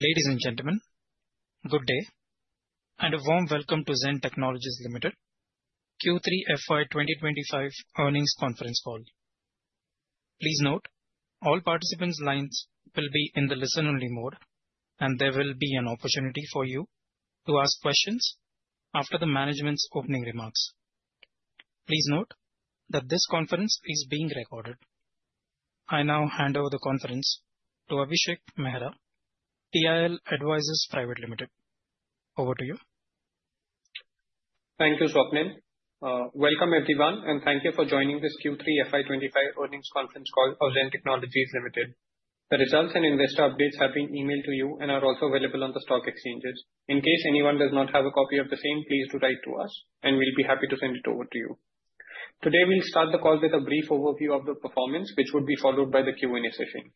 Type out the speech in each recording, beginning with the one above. Ladies and gentlemen, good day and a warm welcome to Zen Technologies Limited Q3 FY 2025 Earnings Conference Call. Please note all participants' lines will be in the listen-only mode, and there will be an opportunity for you to ask questions after the management's opening remarks. Please note that this conference is being recorded. I now hand over the conference to Abhishek Mehra, TIL Advisors Private Limited. Over to you. Thank you, Swapnil. Welcome everyone, and thank you for joining this Q3 FY 2025 earnings conference call of Zen Technologies Limited. The results and investor updates have been emailed to you and are also available on the stock exchanges. In case anyone does not have a copy of the same, please do write to us, and we'll be happy to send it over to you. Today, we'll start the call with a brief overview of the performance, which would be followed by the Q&A session.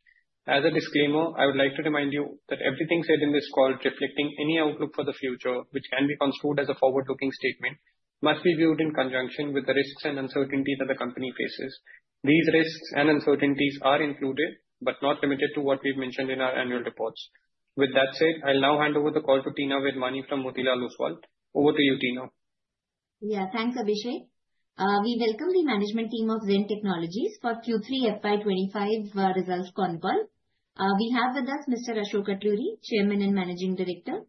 As a disclaimer, I would like to remind you that everything said in this call, reflecting any outlook for the future, which can be construed as a forward-looking statement, must be viewed in conjunction with the risks and uncertainties that the company faces. These risks and uncertainties are included, but not limited to what we've mentioned in our annual reports. With that said, I'll now hand over the call to Teena Virmani from Motilal Oswal. Over to you, Teena. Yeah, thanks, Abhishek. We welcome the management team of Zen Technologies for Q3 FY 25 Results Conference Call We have with us Mr. Ashok Atluri, Chairman and Managing Director,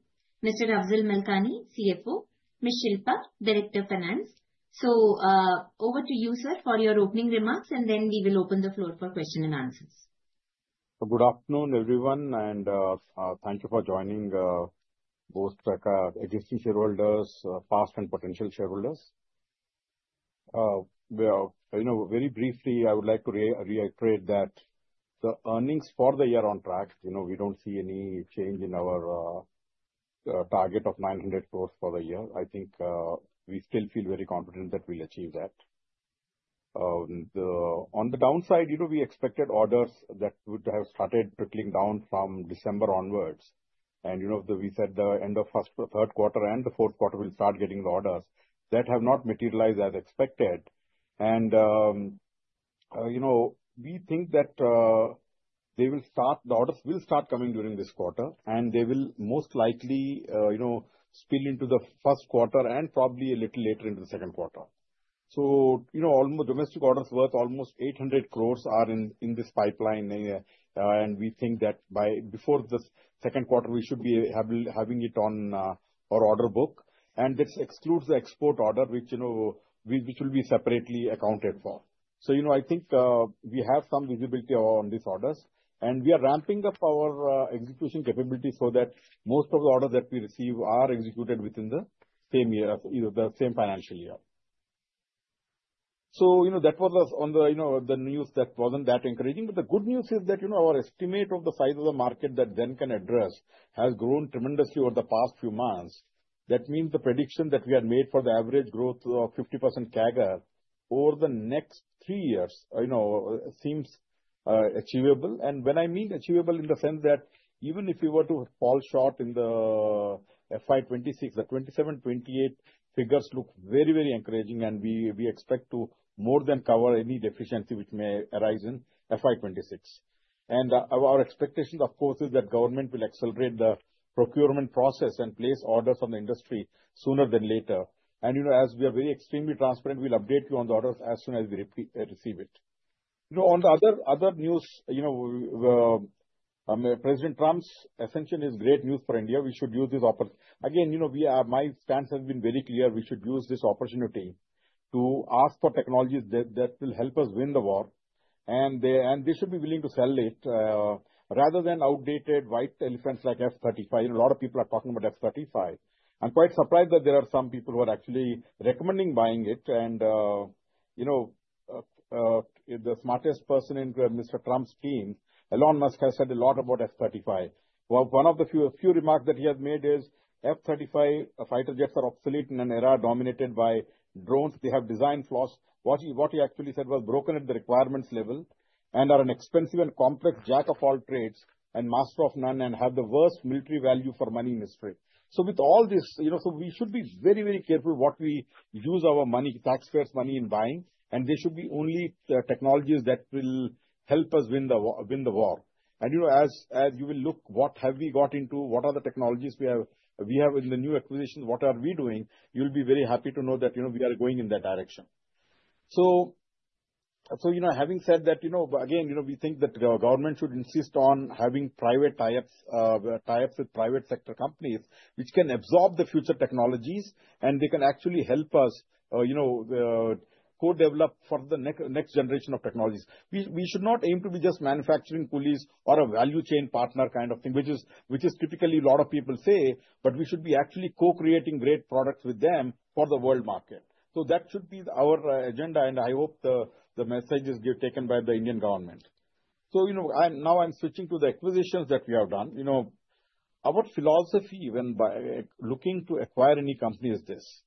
Mr. Afzal Malkani, CFO, Ms. Shilpa, Director of Finance. So over to you, sir, for your opening remarks, and then we will open the floor for questions and answers. Good afternoon, everyone, and thank you for joining. Both existing shareholders, past and potential shareholders. Very briefly, I would like to reiterate that the earnings for the year are on track. We don't see any change in our target of 900 crores for the year. I think we still feel very confident that we'll achieve that. On the downside, we expected orders that would have started trickling down from December onwards. And we said the end of the Q3 and the Q4 will start getting the orders that have not materialized as expected. And, you know, we think that the orders will start coming during this quarter, and they will most likely spill into the first quarter and probably a little later into the Q2. So ,you know, all the domestic orders worth almost 800 crores are in this pipeline, and we think by that before the Q2, we should be having it on our order book. And this excludes the export order, which will be separately accounted for. So, you know, I think we have some visibility on these orders, and we are ramping up our execution capability so that most of the orders that we receive are executed within the same year, the same financial year. So, you know, that was on the news that wasn't that encouraging. But the good news is that our estimate of the size of the market that Zen can address has grown tremendously over the past few months. That means the prediction that we had made for the average growth of 50% CAGR over the next three years right now seems achievable. When I mean achievable, in the sense that even if we were to fall short in the FY 26, the 27, 28 figures look very, very encouraging, and we expect to more than cover any deficiency which may arise in FY 26. And our expectation, of course, is that government will accelerate the procurement process and place orders on the industry sooner than later. And you know As we are very extremely transparent, we'll update you on the orders as soon as we receive it. You know, on the other news, President Trump's ascension is great news for India. We should use this opportunity. Again, my stance has been very clear. We should use this opportunity to ask for technologies that will help us win the war, and they should be willing to sell it rather than outdated white elephants like F-35. A lot of people are talking about F-35. I'm quite surprised that there are some people who are actually recommending buying it. And the smartest person in Mr. Trump's team, Elon Musk, has said a lot about F-35. One of the few remarks that he has made is, "F-35 fighter jets are obsolete in an era dominated by drones. They have design flaws." What he actually said was, "Broken at the requirements level and are an expensive and complex jack of all trades and master of none and have the worst military value for money mystery." So with all this, we should be very, very careful what we use our money, taxpayers' money, in buying, and there should be only technologies that will help us win the war. And as you will look, what have we got into? What are the technologies we have in the new acquisitions? What are we doing? You'll be very happy to know that we are going in that direction. So, you know, having said that, again, we think that government should insist on having private tie-ups with private sector companies, which can absorb the future technologies, and they can actually help us co-develop for the next generation of technologies. We should not aim to be just manufacturing pulleys or a value chain partner kind of thing, which is typically a lot of people say, but we should be actually co-creating great products with them for the world market. So that should be our agenda, and I hope the message is taken by the Indian government. So now I'm switching to the acquisitions that we have done. Our philosophy when looking to acquire any company is this: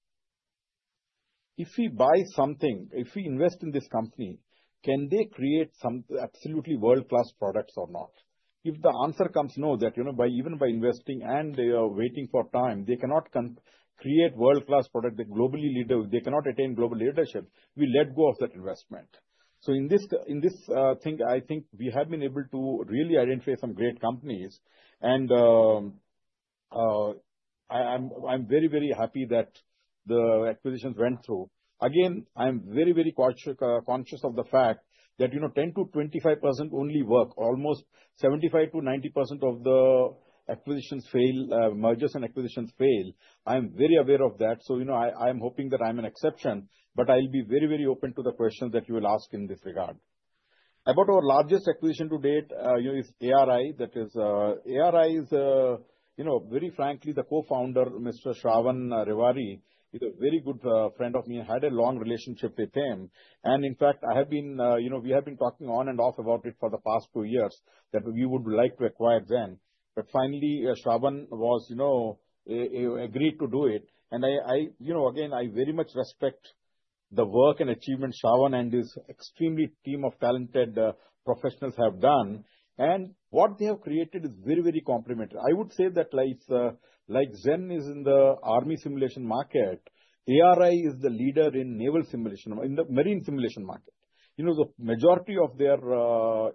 if we buy something, if we invest in this company, can they create some absolutely world-class products or not? If the answer comes no, that even by investing and waiting for time, they cannot create world-class products. They cannot attain global leadership, we let go of that investment. So in this thing, I think we have been able to really identify some great companies, and I'm very, very happy that the acquisitions went through. Again, I'm very, very conscious of the fact that 10%-25% only work. Almost 75%-90% of the mergers and acquisitions fail. I'm very aware of that. So I'm hoping that I'm an exception, but I'll be very, very open to the questions that you will ask in this regard. About our largest acquisition to date, it's ARI. ARI is, very frankly, He's a very good friend of me. I had a long relationship with him. In fact, we have been talking on and off about it for the past two years that we would like to acquire Zen. But finally, Shravan agreed to do it. And again, I very much respect the work and achievement Shravan and his entire team of talented professionals have done. And what they have created is very, very complementary. I would say that like Zen is in the army simulation market, ARI is the leader in naval simulation, in the marine simulation market. The majority of their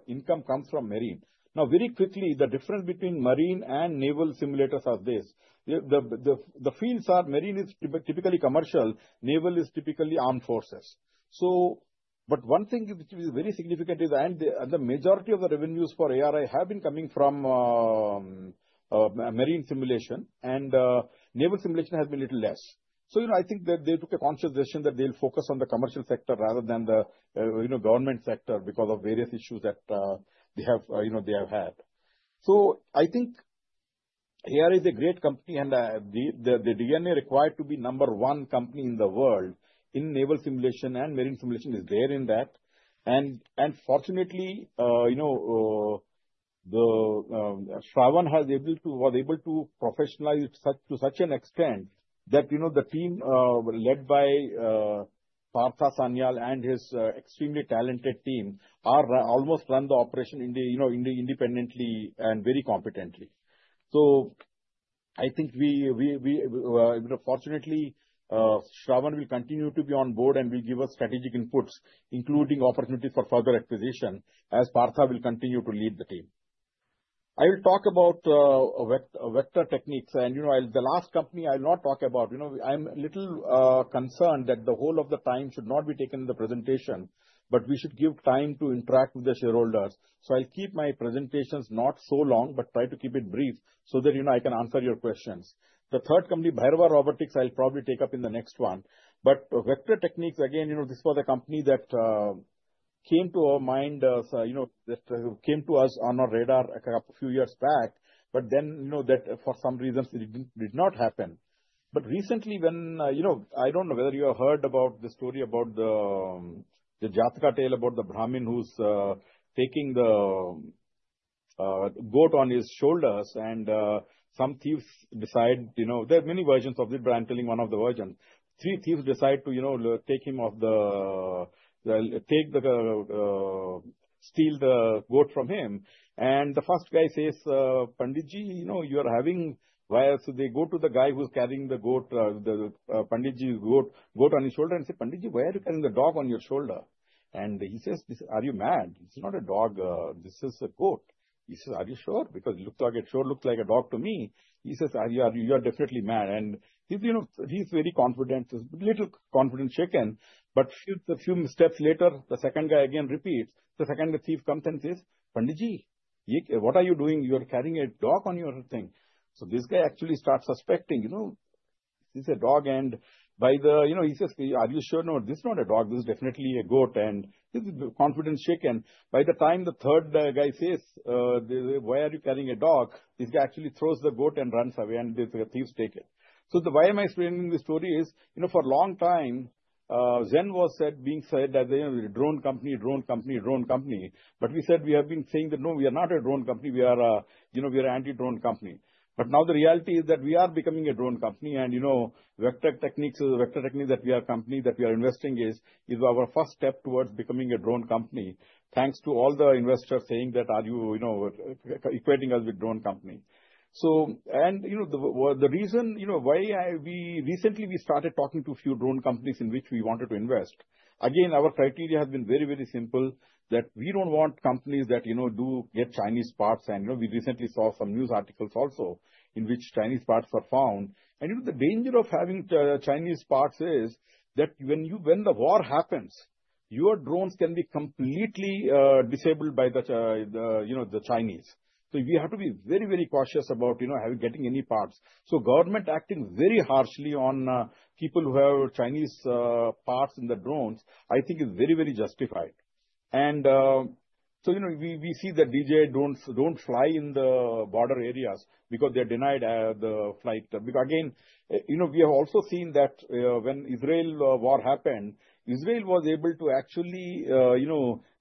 income comes from marine. Now, very quickly, the difference between marine and naval simulators is this: the fields are marine is typically commercial, naval is typically armed forces. But one thing which is very significant is the majority of the revenues for ARI have been coming from marine simulation, and naval simulation has been a little less. So I think that they took a conscious decision that they'll focus on the commercial sector rather than the government sector because of various issues that they have had. So I think ARI is a great company, and the DNA required to be number one company in the world in naval simulation and marine simulation is there in that. And fortunately, you know, Shravan was able to professionalize to such an extent that you know the team led by Partha Sanyal and his extremely talented team almost ran the operation independently and very competently. So I think fortunately, Shravan will continue to be on board and will give us strategic inputs, including opportunities for further acquisition as Partha will continue to lead the team. I will talk about Vector Technics. And the last company I'll not talk about. I'm a little concerned that the whole of the time should not be taken in the presentation, but we should give time to interact with the shareholders. So I'll keep my presentations not so long, but try to keep it brief so that I can answer your questions. The third company, Bairava Robotics, I'll probably take up in the next one. But Vector Technics, again, this was a company that came to our mind, that came to uson our radar a few years back, but then for some reason, it did not happen. But recently, I don't know whether you have heard about the story about the Jataka tale, about the Brahmin who's taking the goat on his shoulders, and some thieves decide there are many versions of it, but I'm telling one of the versions. Three thieves decide to take him off to steal the goat from him. And the first guy says, "Panditji, you are having..." So they go to the guy who's carrying the goat, Panditji, goat on his shoulder, and say, "Panditji, why are you carrying the dog on your shoulder?" And he says, "Are you mad? This is not a dog. This is a goat." He says, "Are you sure? Because it looks like it sure looks like a dog to me." He says, "You are definitely mad." And he's very confident, a little confident chicken. But a few steps later, the second guy again repeats. The second thief comes and says, "Panditji, what are you doing? You are carrying a dog on your thing." So this guy actually starts suspecting. He's a dog. And by the... he says, "Are you sure? No, this is not a dog. This is definitely a goat." And this is the confident shaken. By the time the third guy says, "Why are you carrying a dog?" This guy actually throws the goat and runs away, and the thieves take it. So why am I explaining this story? For a long time, Zen was being said as a drone company, drone company, drone company. But we said we have been saying that, "No, we are not a drone company. We are an anti-drone company." But now the reality is that we are becoming a drone company. And you know Vector Technics is a company that we are investing in. It is our first step towards becoming a drone company, thanks to all the investors saying that, "Are you equating us with a drone company?" And the reason why we recently started talking to a few drone companies in which we wanted to invest, again, our criteria has been very, very simple that we don't want companies that do get Chinese parts. And we recently saw some news articles also in which Chinese parts were found. And the danger of having Chinese parts is that when the war happens, your drones can be completely disabled by the Chinese. So we have to be very, very cautious about getting any parts. So government acting very harshly on people who have Chinese parts in the drones, I think, is very, very justified. We see that DJI don't fly in the border areas because they're denied the flight. Again, we have also seen that when the Israel war happened, Israel was able to actually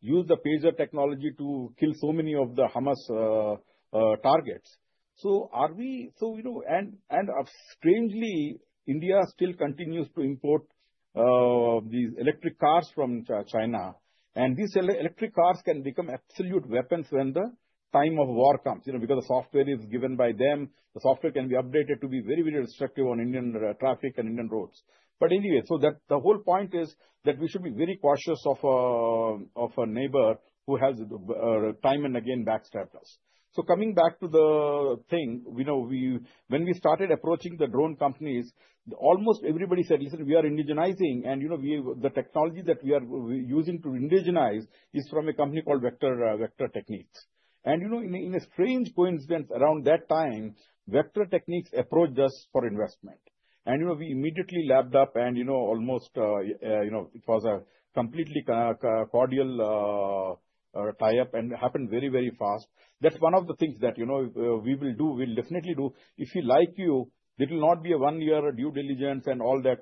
use the pager technology to kill so many of the Hamas targets. So are we..., Strangely, India still continues to import these electric cars from China. These electric cars can become absolute weapons when the time of war comes because the software is given by them. The software can be updated to be very, very restrictive on Indian traffic and Indian roads. But anyway, the whole point is that we should be very cautious of a neighbor who has time and again backstabbed us. Coming back to the thing, when we started approaching the drone companies, almost everybody said, "Listen, we are indigenizing. And the technology that we are using to indigenize is from a company called Vector Technics." And in a strange coincidence around that time, Vector Technics approached us for investment. And we immediately lapped up, and almost it was a completely cordial tie-up, and it happened very, very fast. That's one of the things that we will do. We'll definitely do. If we like you, there will not be a one-year due diligence and all that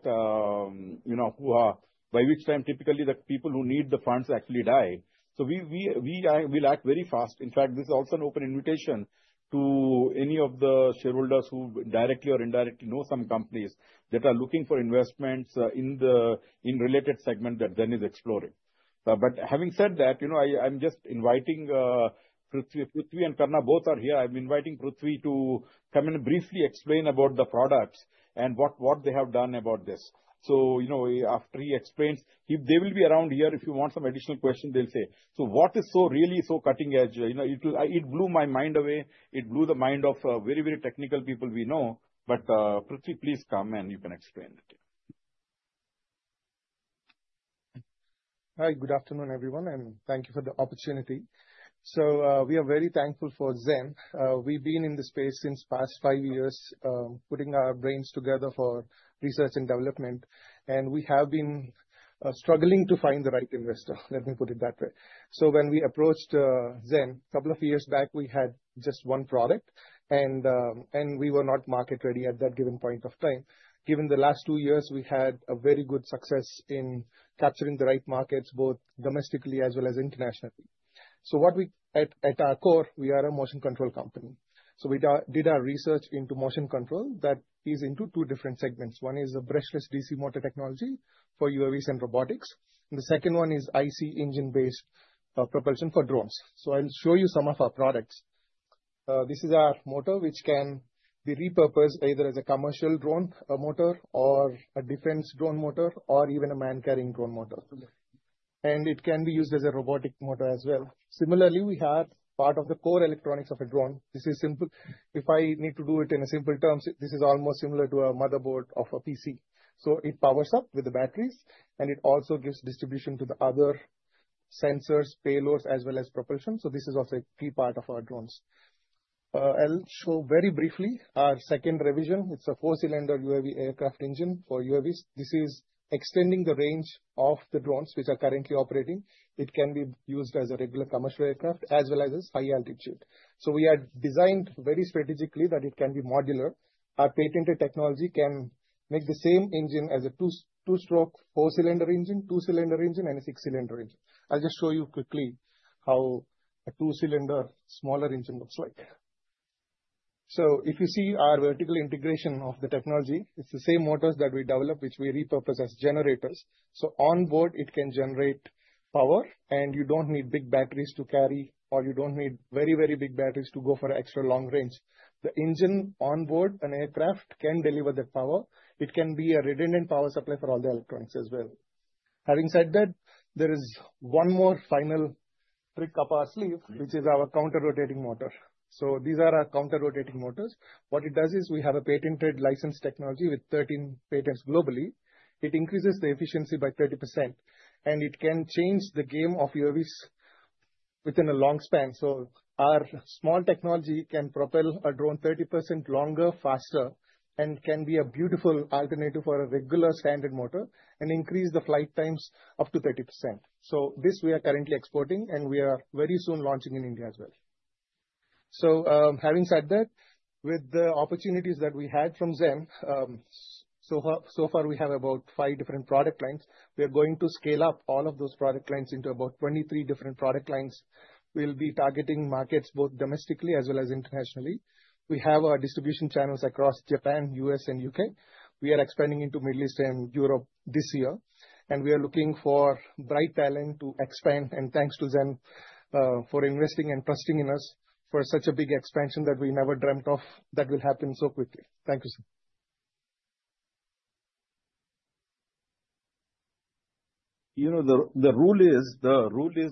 you know who are, by which time typically the people who need the funds actually die. So we'll act very fast. In fact, this is also an open invitation to any of the shareholders who directly or indirectly know some companies that are looking for investments in the related segment that Zen is exploring. But having said that, I'm just inviting Prithvi and Karna. Both are here. I'm inviting Prithvi to come and briefly explain about the products and what they have done about this. So after he explains, they will be around here. If you want some additional questions, they'll say, "So what is so really so cutting-edge?" It blew my mind away. It blew the mind of very, very technical people we know. But Prithvi, please come and you can explain. Hi, good afternoon, everyone. And thank you for the opportunity. So we are very thankful for Zen. We've been in this space since past five years, putting our brains together for research and development. And we have been struggling to find the right investor, let me put it that way. So when we approached Zen, a couple of years back, we had just one product, and we were not market-ready at that given point of time. Given the last two years, we had a very good success in capturing the right markets, both domestically as well as internationally. So what we are at our core, we are a motion control company. So we did our research into motion control that is into two different segments. One is a brushless DC motor technology for UAVs and robotics. And the second one is IC engine-based propulsion for drones. So I'll show you some of our products. This is our motor, which can be repurposed either as a commercial drone motor or a defense drone motor or even a man-carrying drone motor. And it can be used as a robotic motor as well. Similarly, we have part of the core electronics of a drone. If I need to do it in simple terms, this is almost similar to a motherboard of a PC. So it powers up with the batteries, and it also gives distribution to the other sensors, payloads, as well as propulsion. So this is also a key part of our drones. I'll show very briefly our second revision. It's a four-cylinder UAV aircraft engine for UAVs. This is extending the range of the drones which are currently operating. It can be used as a regular commercial aircraft as well as high altitude. So we had designed very strategically that it can be modular. Our patented technology can make the same engine as a two-stroke, four-cylinder engine, two-cylinder engine, and a six-cylinder engine. I'll just show you quickly how a two-cylinder smaller engine looks like. So if you see our vertical integration of the technology, it's the same motors that we develop, which we repurpose as generators. So on board, it can generate power, and you don't need big batteries to carry, or you don't need very, very big batteries to go for extra long range. The engine on board an aircraft can deliver that power. It can be a redundant power supply for all the electronics as well. Having said that, there is one more final trick up our sleeve, which is our counter-rotating motor. So these are our counter-rotating motors. What it does is we have a patented license technology with 13 patents globally. It increases the efficiency by 30%, and it can change the game of UAVs within a long span. So our small technology can propel a drone 30% longer, faster, and can be a beautiful alternative for a regular standard motor and increase the flight times up to 30%. So this we are currently exporting, and we are very soon launching in India as well. So having said that, with the opportunities that we had from Zen, so far we have about five different product lines. We are going to scale up all of those product lines into about 23 different product lines. We'll be targeting markets both domestically as well as internationally. We have distribution channels across Japan, U.S., and U.K. We are expanding into Middle East and Europe this year. And we are looking for bright talent to expand. And thanks to Zen for investing and trusting in us for such a big expansion that we never dreamt of that will happen so quickly. Thank you sir. The rule is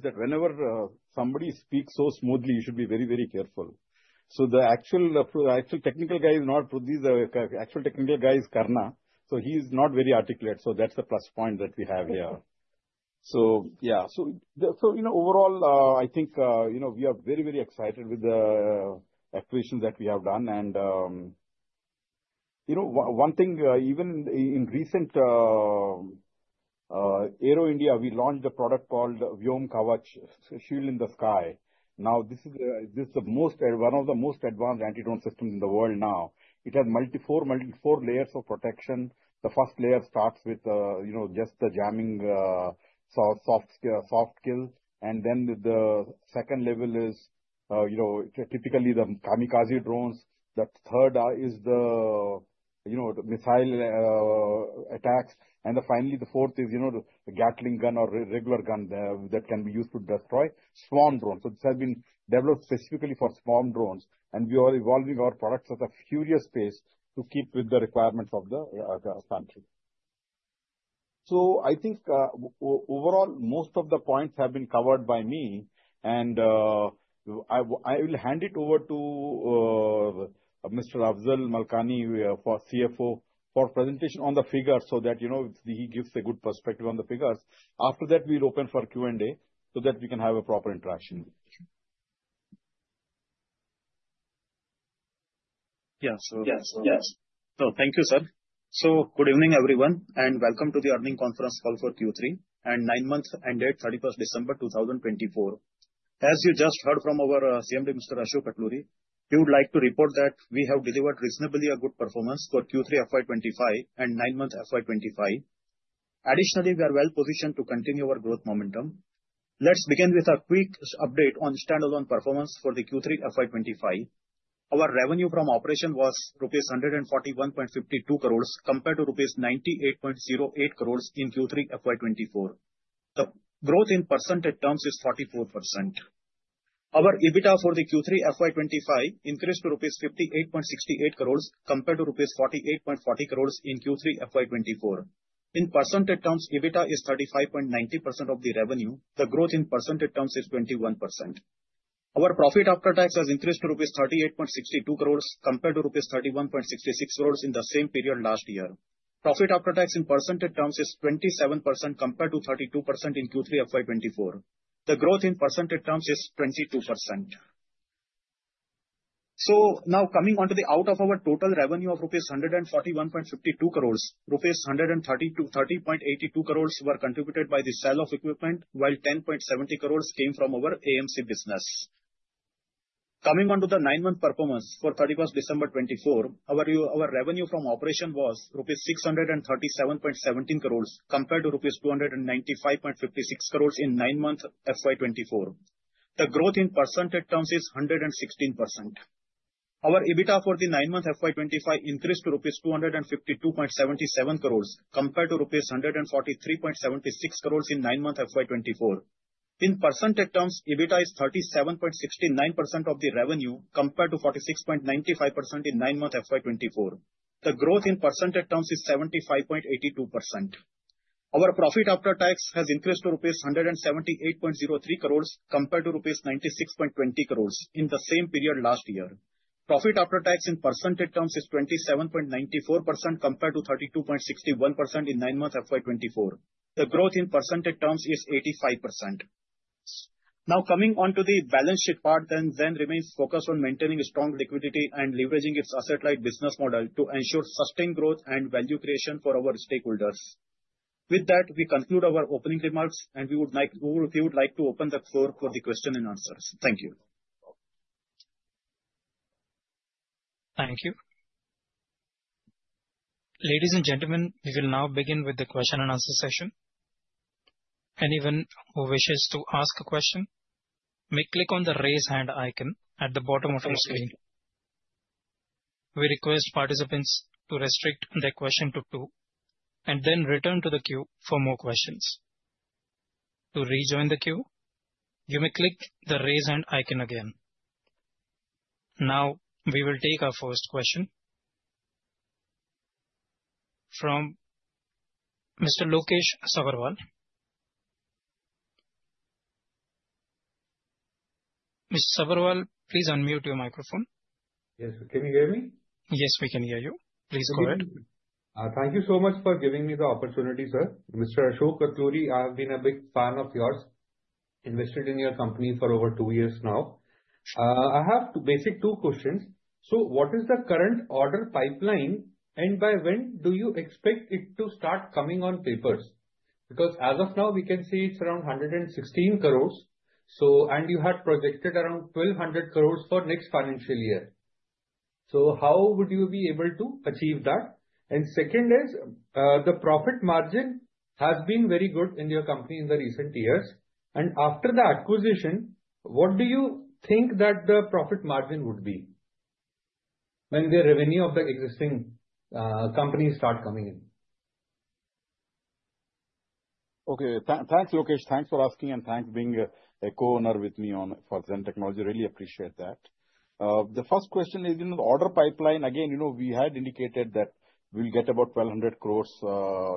that whenever somebody speaks so smoothly, you should be very, very careful. So the actual technical guy is not Prithvi. The actual technical guy is Karna. So he's not very articulate. So that's the plus point that we have here. So yeah. So overall, I think we are very, very excited with the acquisition that we have done. And one thing, even in recent Aero India, we launched a product called Vyom Kavach ( Shield in the Sky). Now, this is one of the most advanced anti-drone systems in the world now. It has four layers of protection. The first layer starts with just the jamming soft kill. And then the second level is typically the kamikaze drones. The third is the missile attacks. And finally, the fourth is a Gatling gun or regular gun that can be used to destroy swarm drones. So this has been developed specifically for swarm drones. And we are evolving our products at a furious pace to keep with the requirements of the country. So I think overall, most of the points have been covered by me. And I will hand it over to Mr. Afzal Malkani, our CFO, for presentation on the figures so that he gives a good perspective on the figures. After that, we'll open for Q&A so that we can have a proper interaction. Yeah. So thank you, sir. So good evening, everyone, and welcome to the earnings conference call for Q3 and nine months ended 31st December 2024. As you just heard from our CMD, Mr. Ashok Atluri, he would like to report that we have delivered reasonably good performance for Q3 FY25 and nine months FY25. Additionally, we are well positioned to continue our growth momentum. Let's begin with a quick update on standalone performance for the Q3 FY25. Our revenue from operations was rupees 141.52 crores compared to rupees 98.08 crores in Q3 FY24. The growth in percentage terms is 44%. Our EBITDA for the Q3 FY25 increased to 58.68 crores rupees compared to 48.40 crores rupees in Q3 FY24. In percentage terms, EBITDA is 35.90% of the revenue. The growth in percentage terms is 21%. Our profit after tax has increased to rupees 38.62 crores compared to rupees 31.66 crores in the same period last year. Profit after tax in percentage terms is 27% compared to 32% in Q3 FY24. The growth in percentage terms is 22%. So now coming on to the breakdown of our total revenue of 141.52 crores rupees, 130.82 crores were contributed by the sale of equipment, while 10.70 crores came from our AMC business. Coming on to the 9-month performance for 31st December 2024, our revenue from operations was rupees 637.17 crores compared to rupees 295.56 crores in nine-month FY24. The growth in percentage terms is 116%. Our EBITDA for the nine-month FY25 increased to rupees 252.77 crores compared to rupees 143.76 crores in nine-month FY24. In percentage terms, EBITDA is 37.69% of the revenue compared to 46.95% in nine-month FY24. The growth in percentage terms is 75.82%. Our profit after tax has increased to 178.03 crores compared to 96.20 crores rupees in the same period last year. Profit after tax in percentage terms is 27.94% compared to 32.61% in nine-month FY24. The growth in percentage terms is 85%. Now, coming on to the balance sheet part, then Zen remains focused on maintaining strong liquidity and leveraging its asset-light business model to ensure sustained growth and value creation for our stakeholders. With that, we conclude our opening remarks, and we would like to open the floor for the question and answers. Thank you. Thank you. Ladies and gentlemen, we will now begin with the Q&A session. Anyone who wishes to ask a question may click on the raise hand icon at the bottom of your screen. We request participants to restrict their question to two and then return to the queue for more questions. To rejoin the queue, you may click the raise hand icon again. Now, we will take our first question from Mr. Lokesh Sabharwal. Mr. Sabharwal, please unmute your microphone. Yes, can you hear me? Yes, we can hear you. Please go ahead. Thank you so much for giving me the opportunity, sir. Mr. Ashok Atluri, I have been a big fan of yours. Invested in your company for over two years now. I have basic two questions. So what is the current order pipeline, and by when do you expect it to start coming on papers? Because as of now, we can see it's around 116 crores, and you had projected around 1,200 crores for next financial year. So how would you be able to achieve that? And second is, the profit margin has been very good in your company in the recent years. And after the acquisition, what do you think that the profit margin would be when the revenue of the existing company starts coming in? Okay. Thanks, Lokesh. Thanks for asking, and thanks being a co-owner with me for Zen Technologies. Really appreciate that. The first question is, in the order pipeline, again, we had indicated that we'll get about 1,200 crores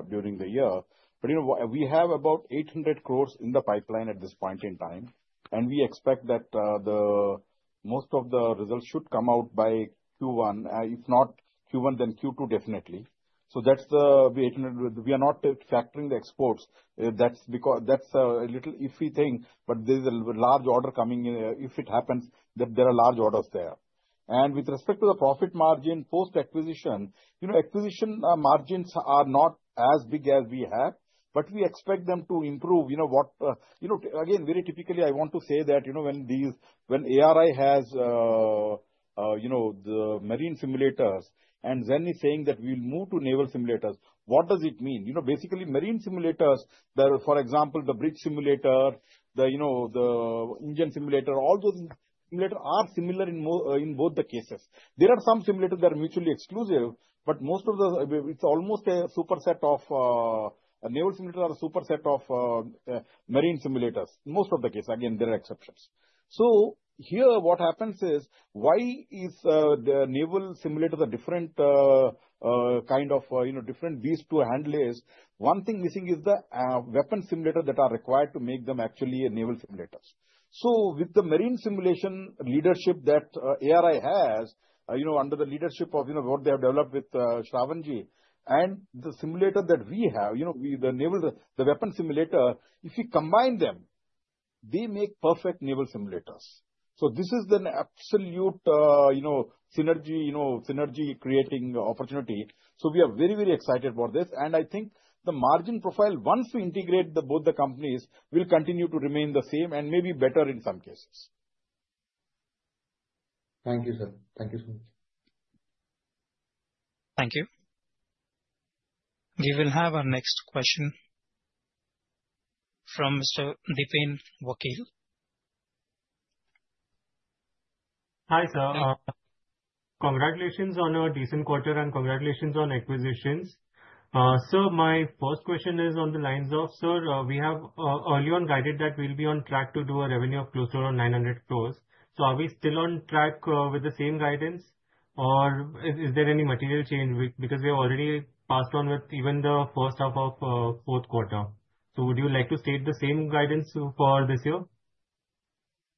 during the year. But we have about 800 crores in the pipeline at this point in time. And we expect that most of the results should come out by Q1. If not Q1, then Q2 definitely. So that's the 800. We are not factoring the exports. That's a little iffy thing, but there is a large order coming in if it happens that there are large orders there. And with respect to the profit margin post-acquisition, acquisition margins are not as big as we have, but we expect them to improve. Again, very typically, I want to say that when ARI has the marine simulators, and Zen is saying that we will move to naval simulators, what does it mean? Basically, marine simulators, for example, the bridge simulator, the engine simulator, all those simulators are similar in both the cases. There are some simulators that are mutually exclusive, but most of the it's almost a superset of naval simulators are a superset of marine simulators. Most of the case, again, there are exceptions. So here, what happens is, why is the naval simulator the different kind of different from these two hand-launched? One thing missing is the weapon simulators that are required to make them actually naval simulators. So with the marine simulation leadership that ARI has, under the leadership of what they have developed with Shravanji, and the simulator that we have, the naval, the weapon simulator, if you combine them, they make perfect naval simulators. So this is an absolute synergy-creating opportunity. So we are very, very excited about this. And I think the margin profile, once we integrate both the companies, will continue to remain the same and maybe better in some cases. Thank you, sir. Thank you so much. Thank you. We will have our next question from Mr. Dipen Vakil. Hi, sir. Congratulations on a decent quarter and congratulations on acquisitions. Sir, my first question is on the lines of, sir, we have early on guided that we'll be on track to do a revenue of close to around 900 crores. So are we still on track with the same guidance, or is there any material change? Because we have already passed on with even the first half of Q4. So would you like to state the same guidance for this year?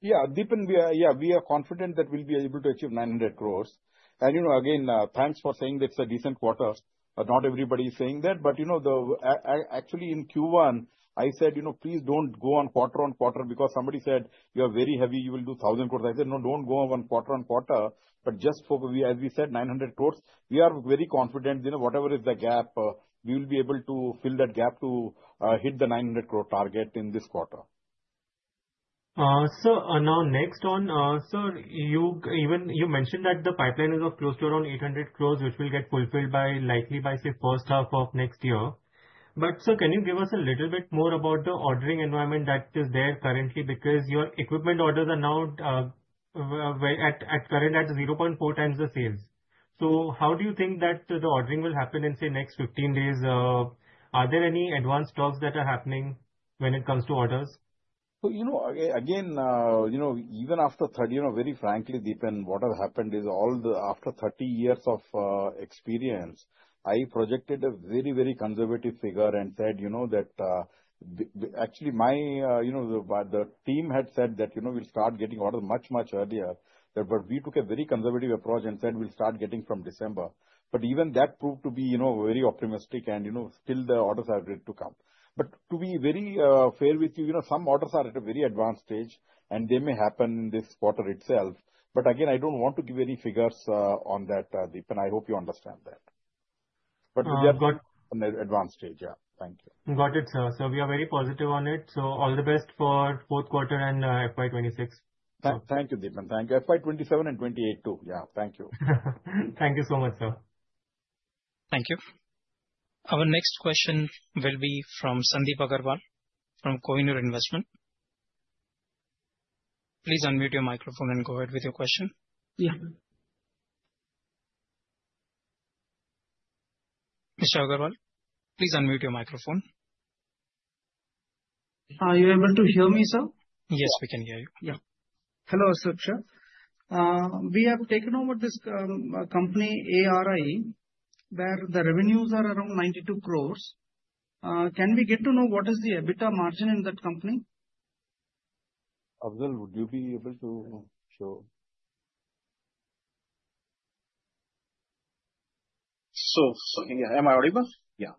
Yeah, Dipen, yeah, we are confident that we'll be able to achieve 900 crores. And again, thanks for saying that it's a decent quarter. Not everybody is saying that. But actually, in Q1, I said, please don't go on quarter on quarter because somebody said, you are very heavy, you will do 1,000 crores. I said, no, don't go on quarter on quarter. But just for, as we said, 900 crores, we are very confident whatever is the gap, we will be able to fill that gap to hit the 900 crore target in this quarter. So now next on, sir, you mentioned that the pipeline is of close to around 800 crores, which will get fulfilled likely by, say, first half of next year. But sir, can you give us a little bit more about the ordering environment that is there currently? Because your equipment orders are now currently at 0.4 times the sales. So how do you think that the ordering will happen in, say, next 15 days? Are there any advanced talks that are happening when it comes to orders? So again, even after 30 years of experience, very frankly, Dipen, what has happened is I projected a very, very conservative figure and said that actually the team had said that we'll start getting orders much, much earlier, but we took a very conservative approach and said we'll start getting from December, but even that proved to be very optimistic, and still, the orders are ready to come, but to be very fair with you, some orders are at a very advanced stage, and they may happen in this quarter itself, but again, I don't want to give any figures on that, Dipen. I hope you understand that, but we are at an advanced stage. Yeah. Thank you. Got it, sir. We are very positive on it. All the best for both quarter and FY26. Thank you, Dipen. Thank you. FY27 and 28 too. Thank you so much, sir. Our next question will be from Sandeep Agarwal from Kohinoor Investments. Please unmute your microphone and go ahead with your question. Mr. Agarwal, please unmute your microphone. Are you able to hear me, sir? Yes, we can hear you. Hello, Ashok sir. We have taken over this company, ARI, where the revenues are around 92 crores. Can we get to know what is the EBITDA margin in that company? Afzal, would you be able to show? So am I audible? Yes,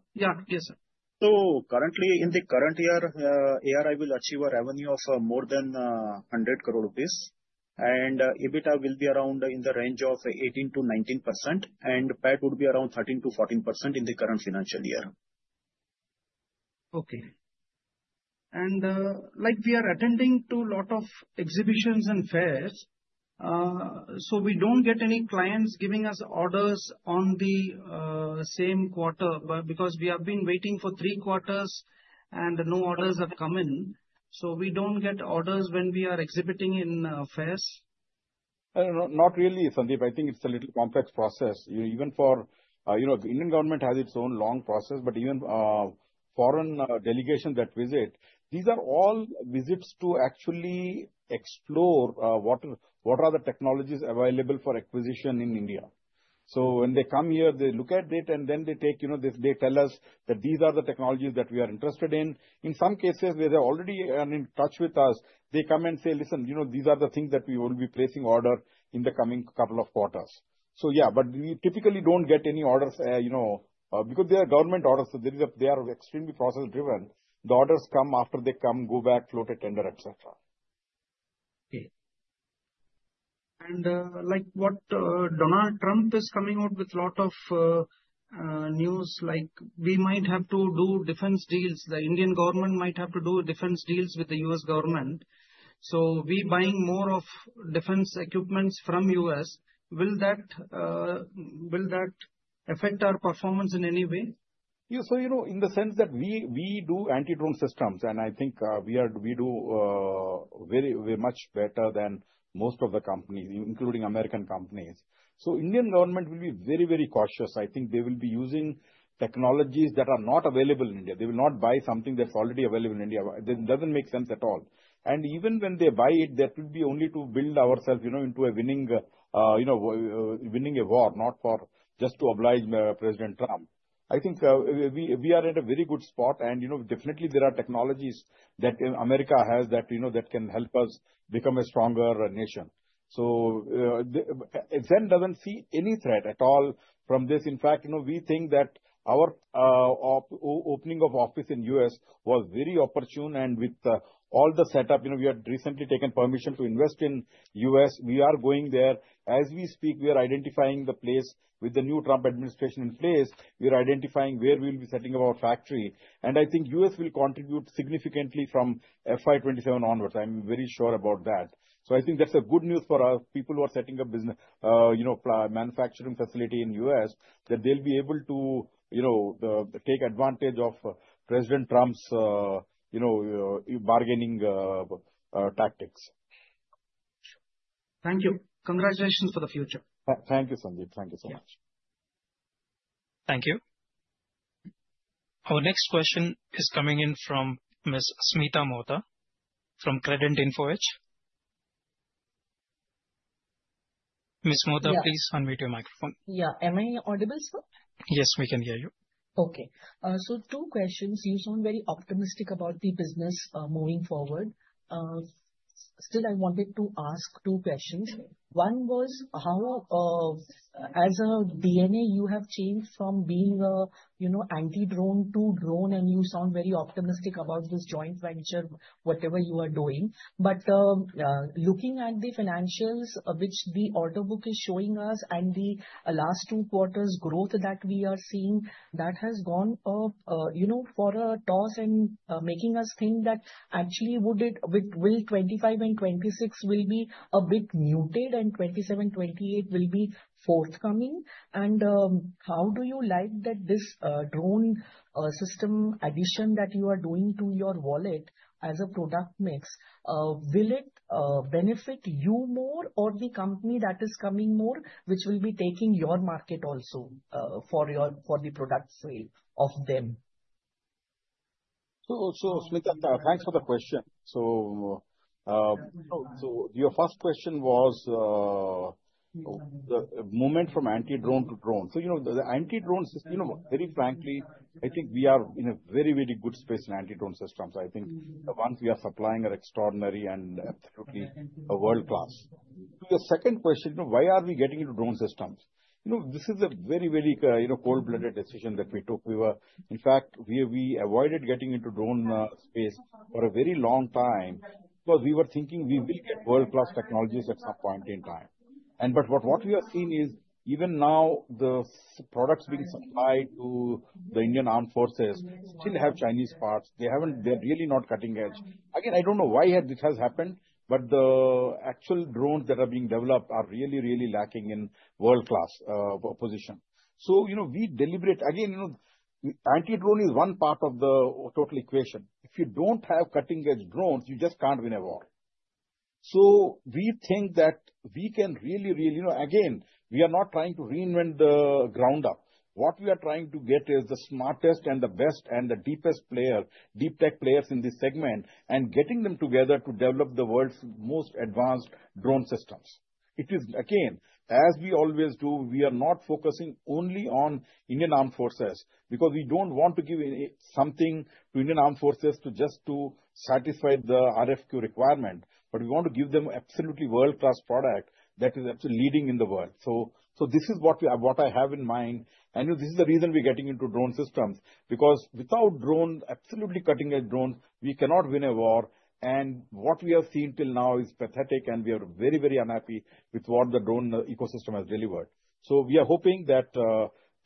sir. So currently, in the current year, ARI will achieve a revenue of more than 100 crores rupees. And EBITDA will be around in the range of 18%-19%. And PAT would be around 13%-14% in the current financial year. Okay. And we are attending to a lot of exhibitions and fairs. We don't get any clients giving us orders on the same quarter because we have been waiting for three quarters and no orders have come in. We don't get orders when we are exhibiting in fairs? Not really, Sandeep. I think it's a little complex process. Even for the Indian government has its own long process, but even foreign delegations that visit, these are all visits to actually explore what are the technologies available for acquisition in India. When they come here, they look at it, and then they tell us that these are the technologies that we are interested in. In some cases, where they're already in touch with us, they come and say, "Listen, these are the things that we will be placing order in the coming couple of quarters." Yeah, but we typically don't get any orders because they are government orders. They are extremely process-driven. The orders come after they come, go back, float a tender, etc. Okay, and like what Donald Trump is coming out with a lot of news, like we might have to do defense deals, the Indian government might have to do defense deals with the U.S. government. So we're buying more of defense equipments from the U.S. Will that affect our performance in any way? Yeah, so in the sense that we do anti-drone systems, and I think we do very much better than most of the companies, including American companies. So the Indian government will be very, very cautious. I think they will be using technologies that are not available in India. They will not buy something that's already available in India. That doesn't make sense at all. And even when they buy it, that would be only to build ourselves into a winning war, not just to oblige President Trump. I think we are at a very good spot. And definitely, there are technologies that America has that can help us become a stronger nation. So Zen doesn't see any threat at all from this. In fact, we think that our opening of office in the U.S. was very opportune. And with all the setup, we had recently taken permission to invest in the U.S. We are going there. As we speak, we are identifying the place with the new Trump administration in place. We are identifying where we will be setting up our factory. And I think the U.S. will contribute significantly from FY27 onwards. I'm very sure about that. So I think that's good news for people who are setting up manufacturing facilities in the US, that they'll be able to take advantage of President Trump's bargaining tactics. Thank you. Congratulations for the future. Thank you, Sandeep. Thank you so much. Thank you. Our next question is coming in from Ms. Smita Mohta from Credent Asset Management. Ms. Mohta, please unmute your microphone. Yeah. Am I audible, sir? Yes, we can hear you. Okay. So two questions. You sound very optimistic about the business moving forward. Still, I wanted to ask two questions. One was, as a DNA, you have changed from being anti-drone to drone, and you sound very optimistic about this joint venture, whatever you are doing. Looking at the financials, which the order book is showing us, and the last two quarters' growth that we are seeing, that has gone up for a toss and making us think that actually 25 and 26 will be a bit muted, and 27, 28 will be forthcoming. How do you like this drone system addition that you are doing to your wallet as a product mix? Will it benefit you more or the company that is coming more, which will be taking your market also for the product sale of them? Smita, thanks for the question. Your first question was the movement from anti-drone to drone. The anti-drone system, very frankly, I think we are in a very, very good space in anti-drone systems. I think the ones we are supplying are extraordinary and absolutely world-class. The second question, why are we getting into drone systems? This is a very, very cold-blooded decision that we took. In fact, we avoided getting into drone space for a very long time because we were thinking we will get world-class technologies at some point in time. But what we have seen is even now, the products being supplied to the Indian Armed Forces still have Chinese parts. They're really not cutting edge. Again, I don't know why this has happened, but the actual drones that are being developed are really, really lacking in world-class position. So we deliberate. Again, anti-drone is one part of the total equation. If you don't have cutting-edge drones, you just can't win a war. So we think that we can really, really again, we are not trying to reinvent the ground up. What we are trying to get is the smartest and the best and the deepest player, deep tech players in this segment, and getting them together to develop the world's most advanced drone systems. It is, again, as we always do, we are not focusing only on Indian Armed Forces because we don't want to give something to Indian Armed Forces just to satisfy the RFQ requirement, but we want to give them absolutely world-class product that is absolutely leading in the world, so this is what I have in mind. And this is the reason we're getting into drone systems because without drones, absolutely cutting-edge drones, we cannot win a war, and what we have seen till now is pathetic, and we are very, very unhappy with what the drone ecosystem has delivered. So we are hoping that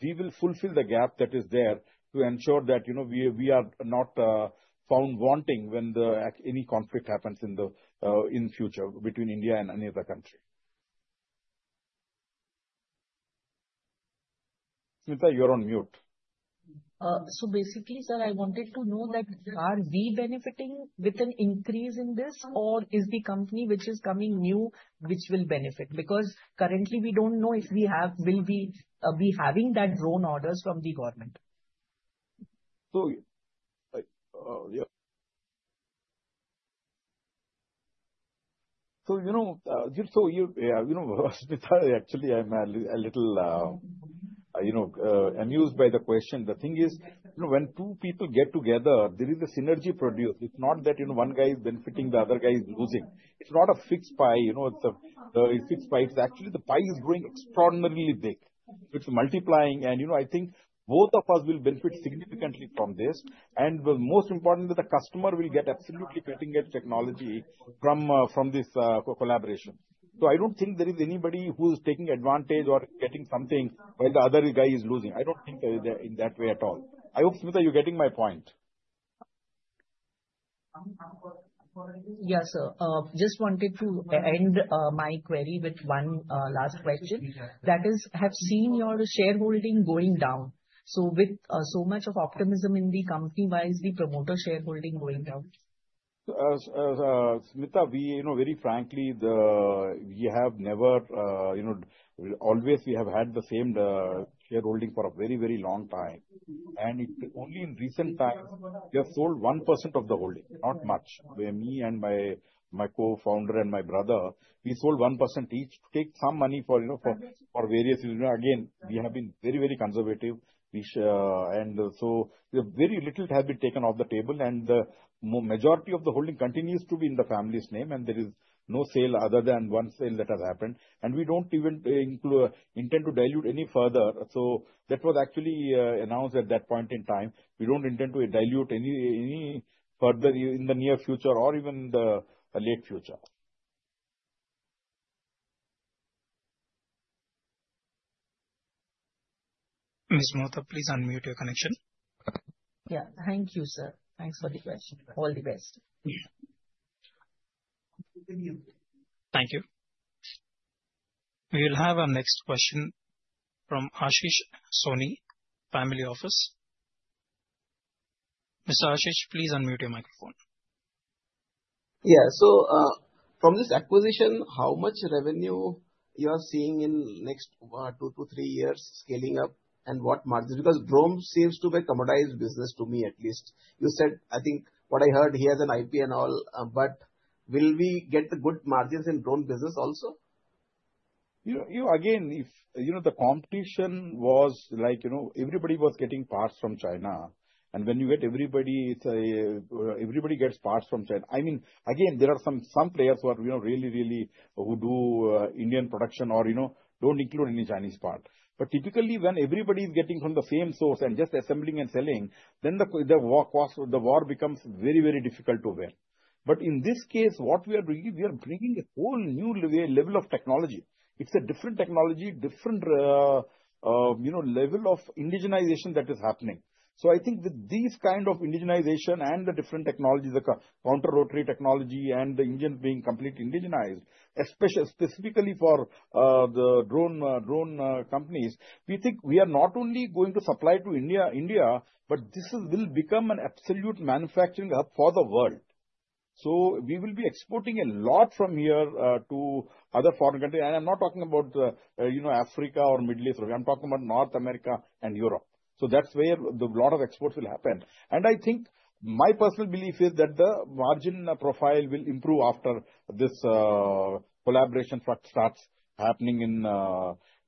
we will fulfill the gap that is there to ensure that we are not found wanting when any conflict happens in the future between India and any other country. Smita, you're on mute. So basically, sir, I wanted to know that are we benefiting with an increase in this, or is the company which is coming new, which will benefit? Because currently, we don't know if we will be having that drone orders from the government. So yeah. So yeah, Smita, actually, I'm a little amused by the question. The thing is, when two people get together, there is a synergy produced. It's not that one guy is benefiting, the other guy is losing. It's not a fixed pie. It's a fixed pie. It's actually the pie is growing extraordinarily big. It's multiplying. And I think both of us will benefit significantly from this. Most importantly, the customer will get absolutely cutting-edge technology from this collaboration. So I don't think there is anybody who's taking advantage or getting something while the other guy is losing. I don't think in that way at all. I hope, Smita, you're getting my point. Yes, sir. Just wanted to end my query with one last question. That is, have seen your shareholding going down? So with so much of optimism in the company, why is the promoter shareholding going down? Smita, very frankly, we have always had the same shareholding for a very, very long time. And only in recent times, we have sold 1% of the holding, not much. Me and my co-founder and my brother, we sold 1% each. Take some money for various reasons. Again, we have been very, very conservative. And so very little has been taken off the table. The majority of the holding continues to be in the family's name. There is no sale other than one sale that has happened. We don't even intend to dilute any further. So that was actually announced at that point in time. We don't intend to dilute any further in the near future or even the late future. Ms. Mohta, please unmute your connection. Yeah. Thank you, sir. Thanks for the question. All the best. Thank you. We will have our next question from Ashish Soni, Family Office. Mr. Ashish, please unmute your microphone. Yeah. So from this acquisition, how much revenue you are seeing in the next two to three years scaling up and what margins? Because drone seems to be a commoditized business to me, at least. You said, I think what I heard, he has an IP and all. But will we get good margins in drone business also? Again, the competition was like everybody was getting parts from China. And when you get everybody, it's everybody gets parts from China. I mean, again, there are some players who are really, really who do Indian production or don't include any Chinese part. But typically, when everybody is getting from the same source and just assembling and selling, then the war becomes very, very difficult to win. But in this case, what we are bringing, we are bringing a whole new level of technology. It's a different technology, different level of indigenization that is happening. So I think with these kinds of indigenization and the different technologies, the counter-rotary technology and the engine being completely indigenized, specifically for the drone companies, we think we are not only going to supply to India, but this will become an absolute manufacturing hub for the world. So we will be exporting a lot from here to other foreign countries. And I'm not talking about Africa or Middle East. I'm talking about North America and Europe. So that's where a lot of exports will happen. And I think my personal belief is that the margin profile will improve after this collaboration starts happening in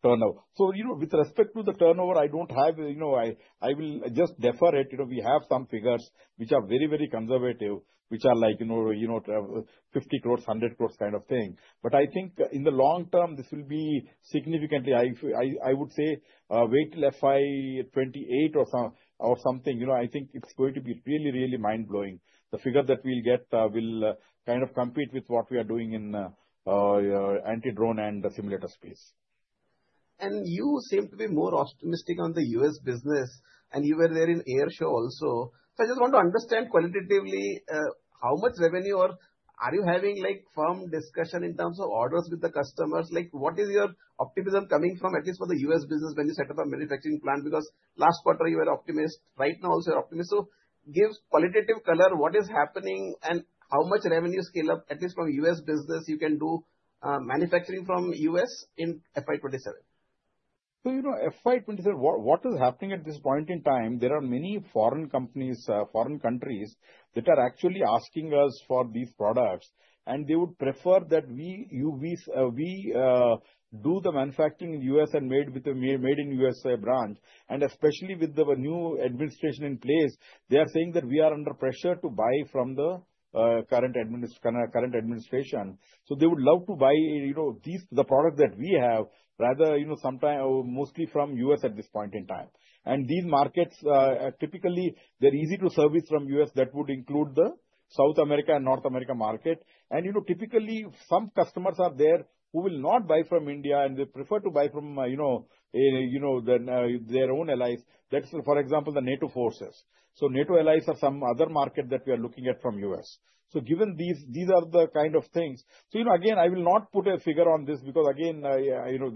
turnover. So with respect to the turnover, I don't have. I will just defer it. We have some figures which are very, very conservative, which are like 50 crores, 100 crores kind of thing. But I think in the long term, this will be significantly high. I would say wait till FY28 or something. I think it's going to be really, really mind-blowing. The figure that we'll get will kind of compete with what we are doing in anti-drone and simulator space. And you seem to be more optimistic on the U.S. business. And you were there in airshow also. So I just want to understand qualitatively how much revenue or are you having firm discussion in terms of orders with the customers? What is your optimism coming from, at least for the U.S. business when you set up a manufacturing plant? Because last quarter, you were optimistic. Right now, also you're optimistic. So give qualitative color what is happening and how much revenue scale-up, at least from U.S. business, you can do manufacturing from U.S. in FY27? FY27, what is happening at this point in time, there are many foreign companies, foreign countries that are actually asking us for these products. And they would prefer that we do the manufacturing in U.S. and made in U.S. branch. And especially with the new administration in place, they are saying that we are under pressure to buy from the current administration. So they would love to buy the product that we have rather mostly from U.S. at this point in time. And these markets, typically, they're easy to service from U.S. That would include the South America and North America market. And typically, some customers are there who will not buy from India, and they prefer to buy from their own allies. That is, for example, the NATO forces. So NATO allies are some other market that we are looking at from U.S. So given these are the kind of things. So again, I will not put a figure on this because, again,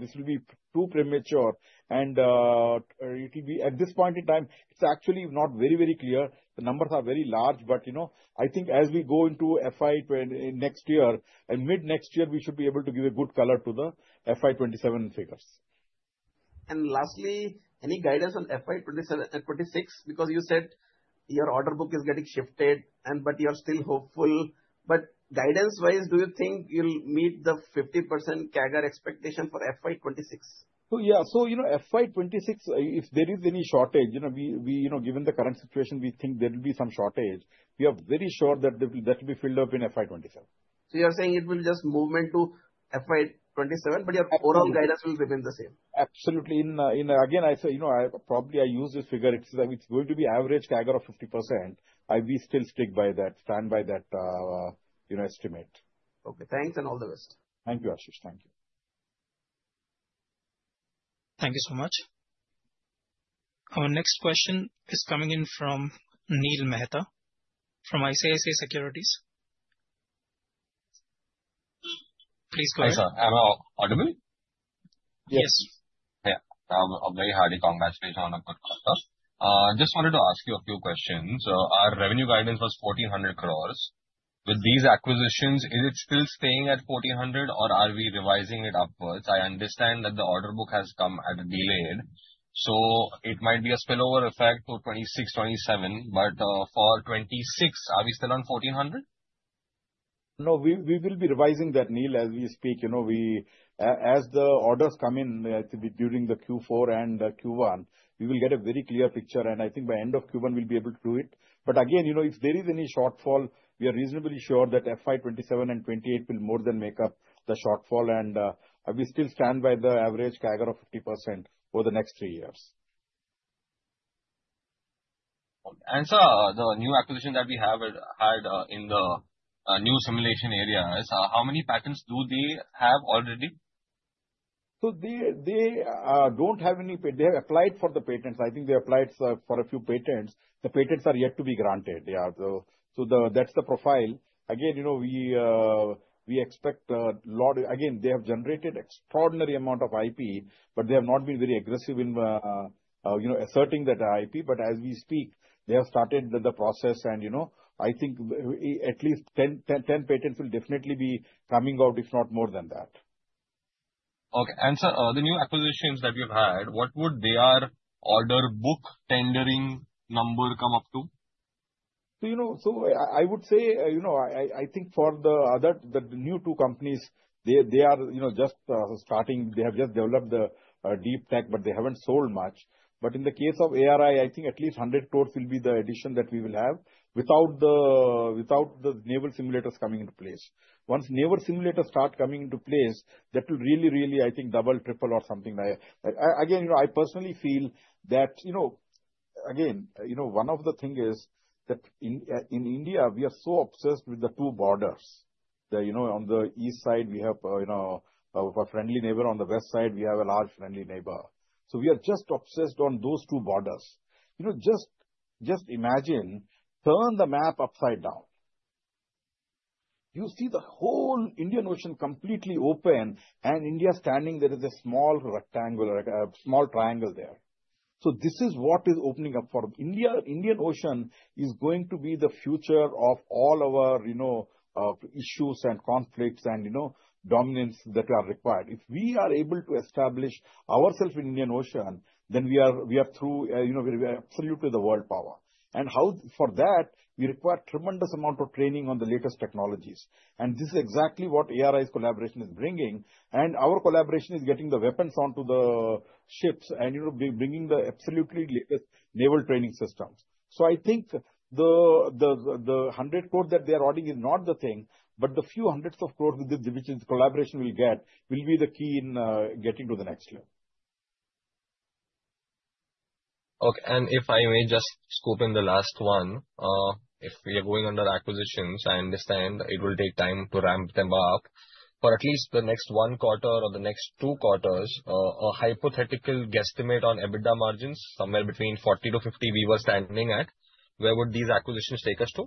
this will be too premature. And at this point in time, it's actually not very, very clear. The numbers are very large. But I think as we go into FY next year and mid next year, we should be able to give a good color to the FY27 figures. And lastly, any guidance on FY26? Because you said your order book is getting shifted, but you are still hopeful. But guidance-wise, do you think you'll meet the 50% CAGR expectation for FY26? So yeah, so FY26, if there is any shortage, given the current situation, we think there will be some shortage. We are very sure that that will be filled up in FY27. So you are saying it will just move into FY27, but your overall guidance will remain the same? Absolutely. Again, I probably use this figure. It's going to be average CAGR of 50%. I will still stick by that, stand by that estimate. Okay. Thanks and all the best. Thank you, Ashish. Thank you. Thank you so much. Our next question is coming in from Neel Mehta from ICICI Securities. Please go ahead. Hi, sir. Am I audible? Yes. Yeah. A very hearty congratulations on a good quarter. Just wanted to ask you a few questions. Our revenue guidance was 1,400 crores. With these acquisitions, is it still staying at 1,400, or are we revising it upwards? I understand that the order book has come at a delay. So it might be a spillover effect to 26, 27. But for 26, are we still on 1,400? No, we will be revising that, Neel, as we speak. As the orders come in during the Q4 and Q1, we will get a very clear picture. And I think by end of Q1, we'll be able to do it. But again, if there is any shortfall, we are reasonably sure that FY 2027 and 2028 will more than make up the shortfall. And we still stand by the average CAGR of 50% for the next three years. And sir, the new acquisition that we have had in the new simulation area, how many patents do they have already? So they don't have any patent. They have applied for the patents. I think they applied for a few patents. The patents are yet to be granted. So that's the profile. Again, we expect a lot. Again, they have generated an extraordinary amount of IP, but they have not been very aggressive in asserting that IP. But as we speak, they have started the process. And I think at least 10 patents will definitely be coming out, if not more than that. Okay. And sir, the new acquisitions that you've had, what would their order book tendering number come up to? So I would say, I think for the new two companies, they are just starting. They have just developed the deep tech, but they haven't sold much. But in the case of ARI, I think at least 100 crores will be the addition that we will have without the naval simulators coming into place. Once naval simulators start coming into place, that will really, really, I think, double, triple, or something. Again, I personally feel that, again, one of the things is that in India, we are so obsessed with the two borders. On the east side, we have a friendly neighbor. On the west side, we have a large friendly neighbor. So we are just obsessed on those two borders. Just imagine, turn the map upside down. You see the whole Indian Ocean completely open, and India standing there as a small triangle there. So this is what is opening up for India. Indian Ocean is going to be the future of all our issues and conflicts and dominance that are required. If we are able to establish ourselves in Indian Ocean, then we are through. We are absolutely the world power. And for that, we require a tremendous amount of training on the latest technologies. And this is exactly what ARI's collaboration is bringing. Our collaboration is getting the weapons onto the ships and bringing the absolutely latest naval training systems. I think the 100 crores that they are auditing is not the thing, but the few hundreds of crores which the collaboration will get will be the key in getting to the next level. Okay. If I may just swoop in the last one, if we are going under acquisitions, I understand it will take time to ramp them up. For at least the next one quarter or the next two quarters, a hypothetical guesstimate on EBITDA margins, somewhere between 40%-50% we were standing at, where would these acquisitions take us to?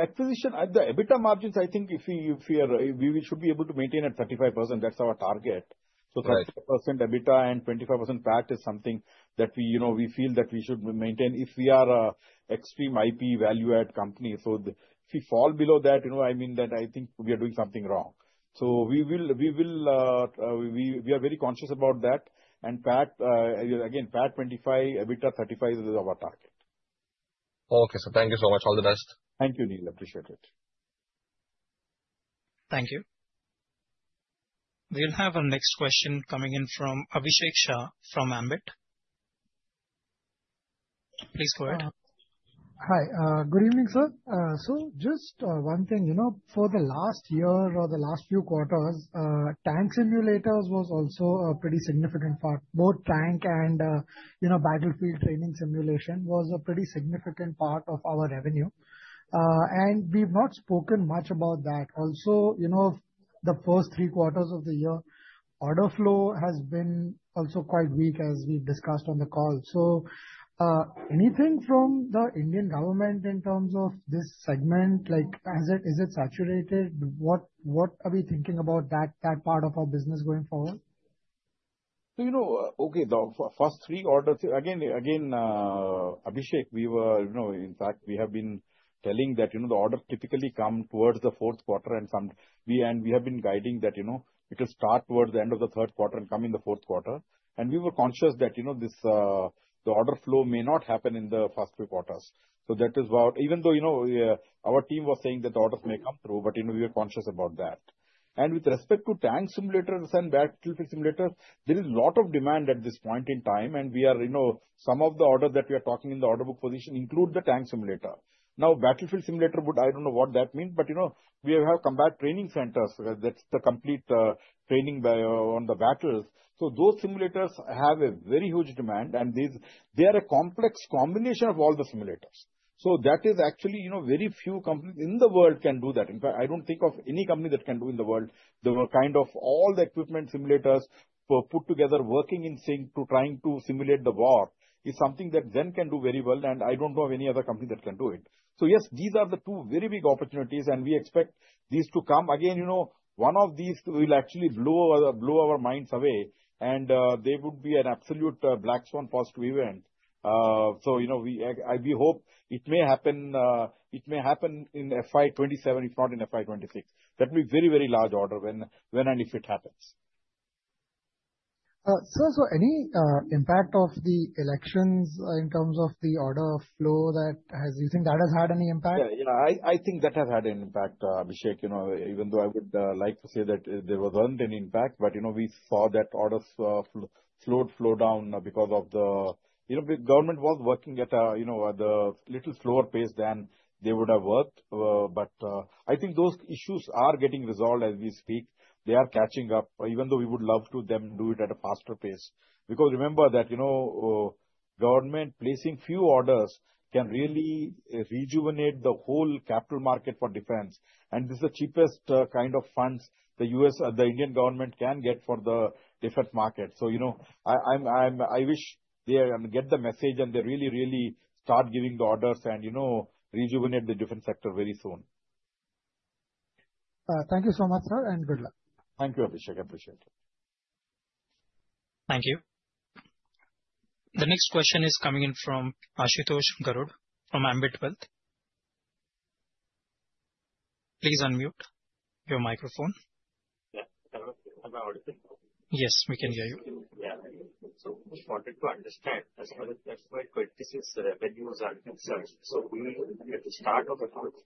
Acquisition at the EBITDA margins, I think if we should be able to maintain at 35%, that's our target. So 35% EBITDA and 25% PAT is something that we feel that we should maintain if we are an extreme IP value-add company. So if we fall below that, I mean that I think we are doing something wrong. So we are very conscious about that. And PAT, again, PAT 25%, EBITDA 35% is our target. Okay. So thank you so much. All the best. Thank you, Neel. Appreciate it. Thank you. We'll have our next question coming in from Abhishek Shah from Ambit. Please go ahead. Hi. Good evening, sir. So just one thing. For the last year or the last few quarters, tank simulators was also a pretty significant part. Both tank and battlefield training simulation was a pretty significant part of our revenue. And we've not spoken much about that. Also, the first three quarters of the year, order flow has been also quite weak, as we've discussed on the call. So anything from the Indian government in terms of this segment? Is it saturated? What are we thinking about that part of our business going forward? Okay. The first three orders, again, Abhishek, we were, in fact, we have been telling that the order typically comes towards the Q4. And we have been guiding that it will start towards the end of the Q3 and come in the Q4. And we were conscious that the order flow may not happen in the first three quarters. So that is about, even though our team was saying that the orders may come through, but we were conscious about that. With respect to tank simulators and battlefield simulators, there is a lot of demand at this point in time. Some of the orders that we are talking in the order book position include the tank simulator. Now, battlefield simulator, I don't know what that means, but we have combat training centers. That's the complete training on the battles. Those simulators have a very huge demand. And they are a complex combination of all the simulators. That is actually very few companies in the world can do that. In fact, I don't think of any company that can do in the world the kind of all the equipment simulators put together, working in sync to trying to simulate the war is something that Zen can do very well. I don't know of any other company that can do it. So yes, these are the two very big opportunities. And we expect these to come. Again, one of these will actually blow our minds away. And they would be an absolute black swan positive event. So we hope it may happen in FY27, if not in FY26. That will be a very, very large order when and if it happens. Sir, so any impact of the elections in terms of the order flow that you think has had any impact? Yeah. Yeah. I think that has had an impact, Abhishek, even though I would like to say that there wasn't any impact. But we saw that orders slowed down because the government was working at a little slower pace than they would have worked. But I think those issues are getting resolved as we speak. They are catching up, even though we would love for them to do it at a faster pace. Because remember that government placing few orders can really rejuvenate the whole capital market for defense. And this is the cheapest kind of funds the Indian government can get for the defense market. So I wish they get the message and they really, really start giving the orders and rejuvenate the defense sector very soon. Thank you so much, sir, and good luck. Thank you, Abhishek. I appreciate it. Thank you. The next question is coming in from Ashutosh Garud from Ambit Wealth. Please unmute your microphone. Yes. Yes, we can hear you. So we wanted to understand as far as FY26 revenues are concerned. So we at the start of the quarter.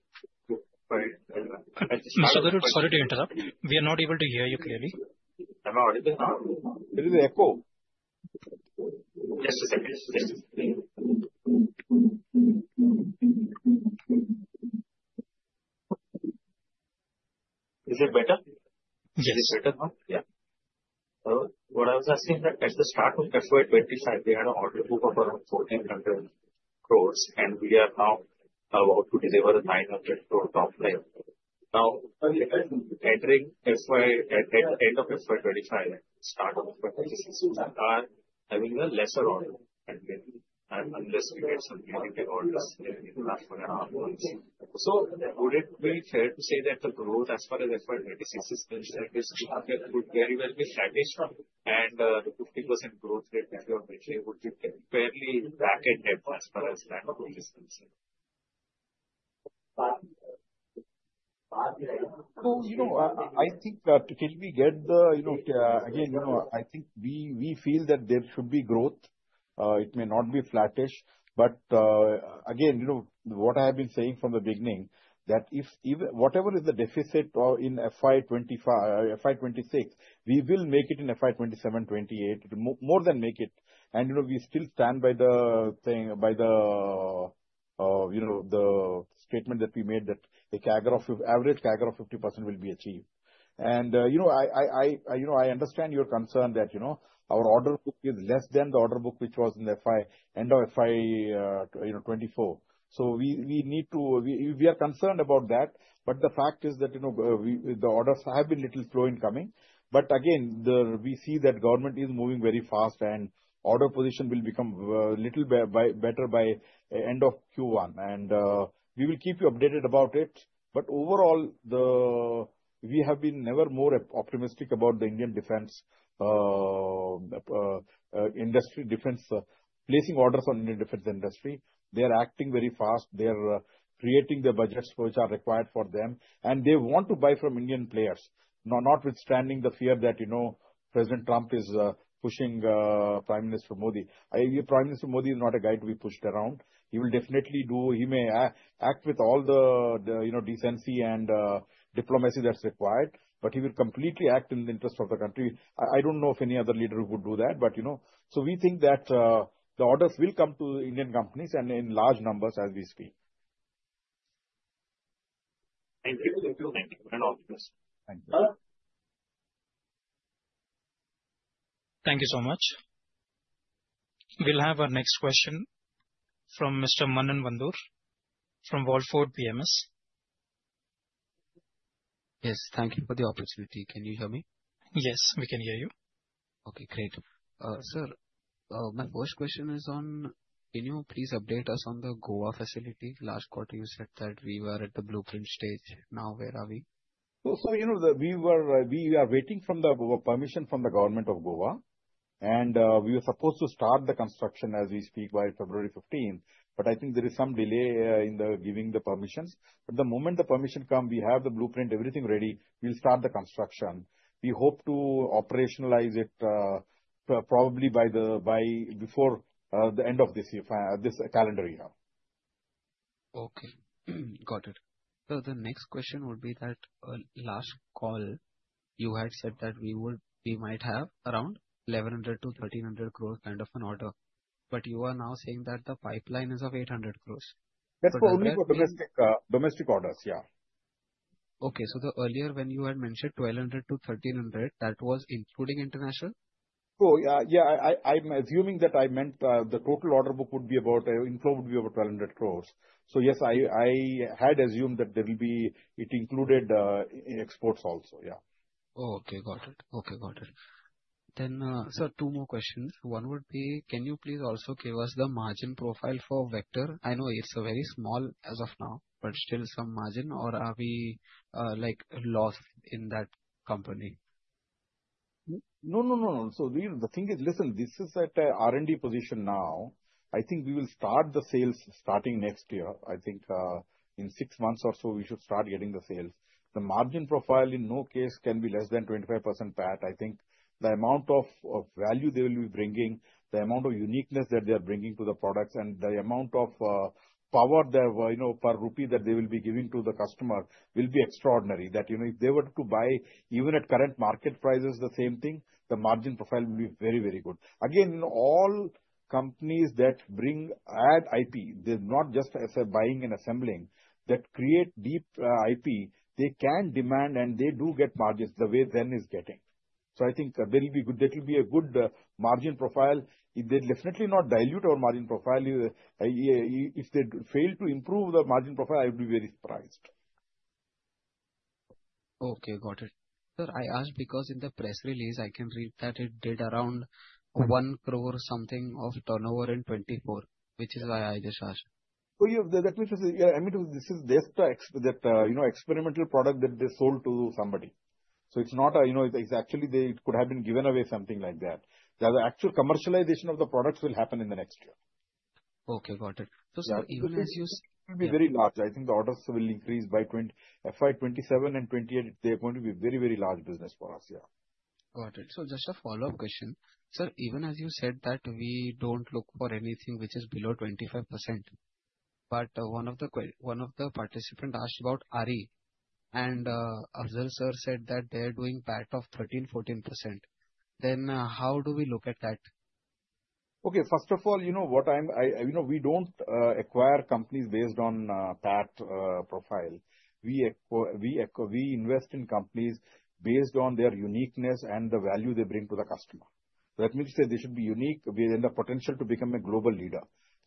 Sorry, to interrupt. We are not able to hear you clearly. Am I audible now? There is an echo. Just a second. Is it better? Yes. Is it better now? Yeah. What I was asking that at the start of FY25, we had an order book of around 1,400 crores, and we are now about to deliver 900 crores offline. Now, entering at the end of FY25, start of FY26, we are having a lesser order book unless we get some orders in the last one and a half months. Would it be fair to say that the growth as far as FY26 is concerned is very well been slashed? And the 50% growth rate that you are mentioning would be fairly back-ended as far as that growth is concerned? I think until we get them again, I think we feel that there should be growth. It may not be flattish. But again, what I have been saying from the beginning, that whatever is the deficit in FY26, we will make it in FY27, 28, more than make it. And we still stand by the statement that we made that the average CAGR of 50% will be achieved. And I understand your concern that our order book is less than the order book which was in the end of FY24. So we are concerned about that. But the fact is that the orders have been a little slow in coming. But again, we see that government is moving very fast, and order position will become a little better by end of Q1. And we will keep you updated about it. But overall, we have been never more optimistic about the Indian defense industry, placing orders on the defense industry. They are acting very fast. They are creating the budgets which are required for them. And they want to buy from Indian players, notwithstanding the fear that President Trump is pushing Prime Minister Modi. Prime Minister Modi is not a guy to be pushed around. He will definitely do. He may act with all the decency and diplomacy that's required, but he will completely act in the interest of the country. I don't know if any other leader would do that. But so we think that the orders will come to Indian companies and in large numbers as we speak. Thank you. Thank you. Thank you so much. We'll have our next question from Mr. Manan Vora from Walfort PMS. Yes. Thank you for the opportunity. Can you hear me? Yes, we can hear you. Okay. Great. Sir, my first question is on, can you please update us on the Goa facility? Last quarter, you said that we were at the blueprint stage. Now, where are we? So we are waiting for the permission from the Government of Goa. And we were supposed to start the construction as we speak by February 15. But I think there is some delay in giving the permissions. But the moment the permission comes, we have the blueprint, everything ready, we'll start the construction. We hope to operationalize it probably before the end of this calendar year. Okay. Got it. So the next question would be that last call, you had said that we might have around 1,100-1,300 crores kind of an order. But you are now saying that the pipeline is of 800 crores. That's for only for domestic orders, yeah. Okay. So earlier, when you had mentioned 1,200-1,300, that was including international? Oh, yeah. Yeah. I'm assuming that I meant the total order book would be about inflow would be about 1,200 crores. So yes, I had assumed that it included exports also, yeah. Okay. Got it. Okay. Got it. Then, sir, two more questions. One would be, can you please also give us the margin profile for Vector? I know it's very small as of now, but still some margin, or are we lost in that company? No, no, no, no. So the thing is, listen, this is at R&D position now. I think we will start the sales starting next year. I think in six months or so, we should start getting the sales. The margin profile, in no case, can be less than 25% PAT. I think the amount of value they will be bringing, the amount of uniqueness that they are bringing to the products, and the amount of power per rupee that they will be giving to the customer will be extraordinary. That if they were to buy, even at current market prices, the same thing, the margin profile will be very, very good. Again, all companies that add IP, they're not just buying and assembling. That create deep IP, they can demand, and they do get margins the way Zen is getting. So I think there will be good, there will be a good margin profile. They'll definitely not dilute our margin profile. If they fail to improve the margin profile, I would be very surprised. Okay. Got it. Sir, I asked because in the press release, I can read that it did around one crore something of turnover in 24, which is why I just asked. So that means this is just that experimental product that they sold to somebody. So it's not a, it's actually they could have been given away something like that. The actual commercialization of the products will happen in the next year. Okay. Got it. So even as you see it's going to be very large. I think the orders will increase by FY 2027 and 2028. They're going to be a very, very large business for us, yeah. Got it. So just a follow-up question. Sir, even as you said that we don't look for anything which is below 25%. But one of the participants asked about ARI, and Ashok Sir said that they are doing PAT of 13%-14%.Then how do we look at that? Okay. First of all, what I mean, we don't acquire companies based on PAT profile. We invest in companies based on their uniqueness and the value they bring to the customer. That means they should be unique within the potential to become a global leader.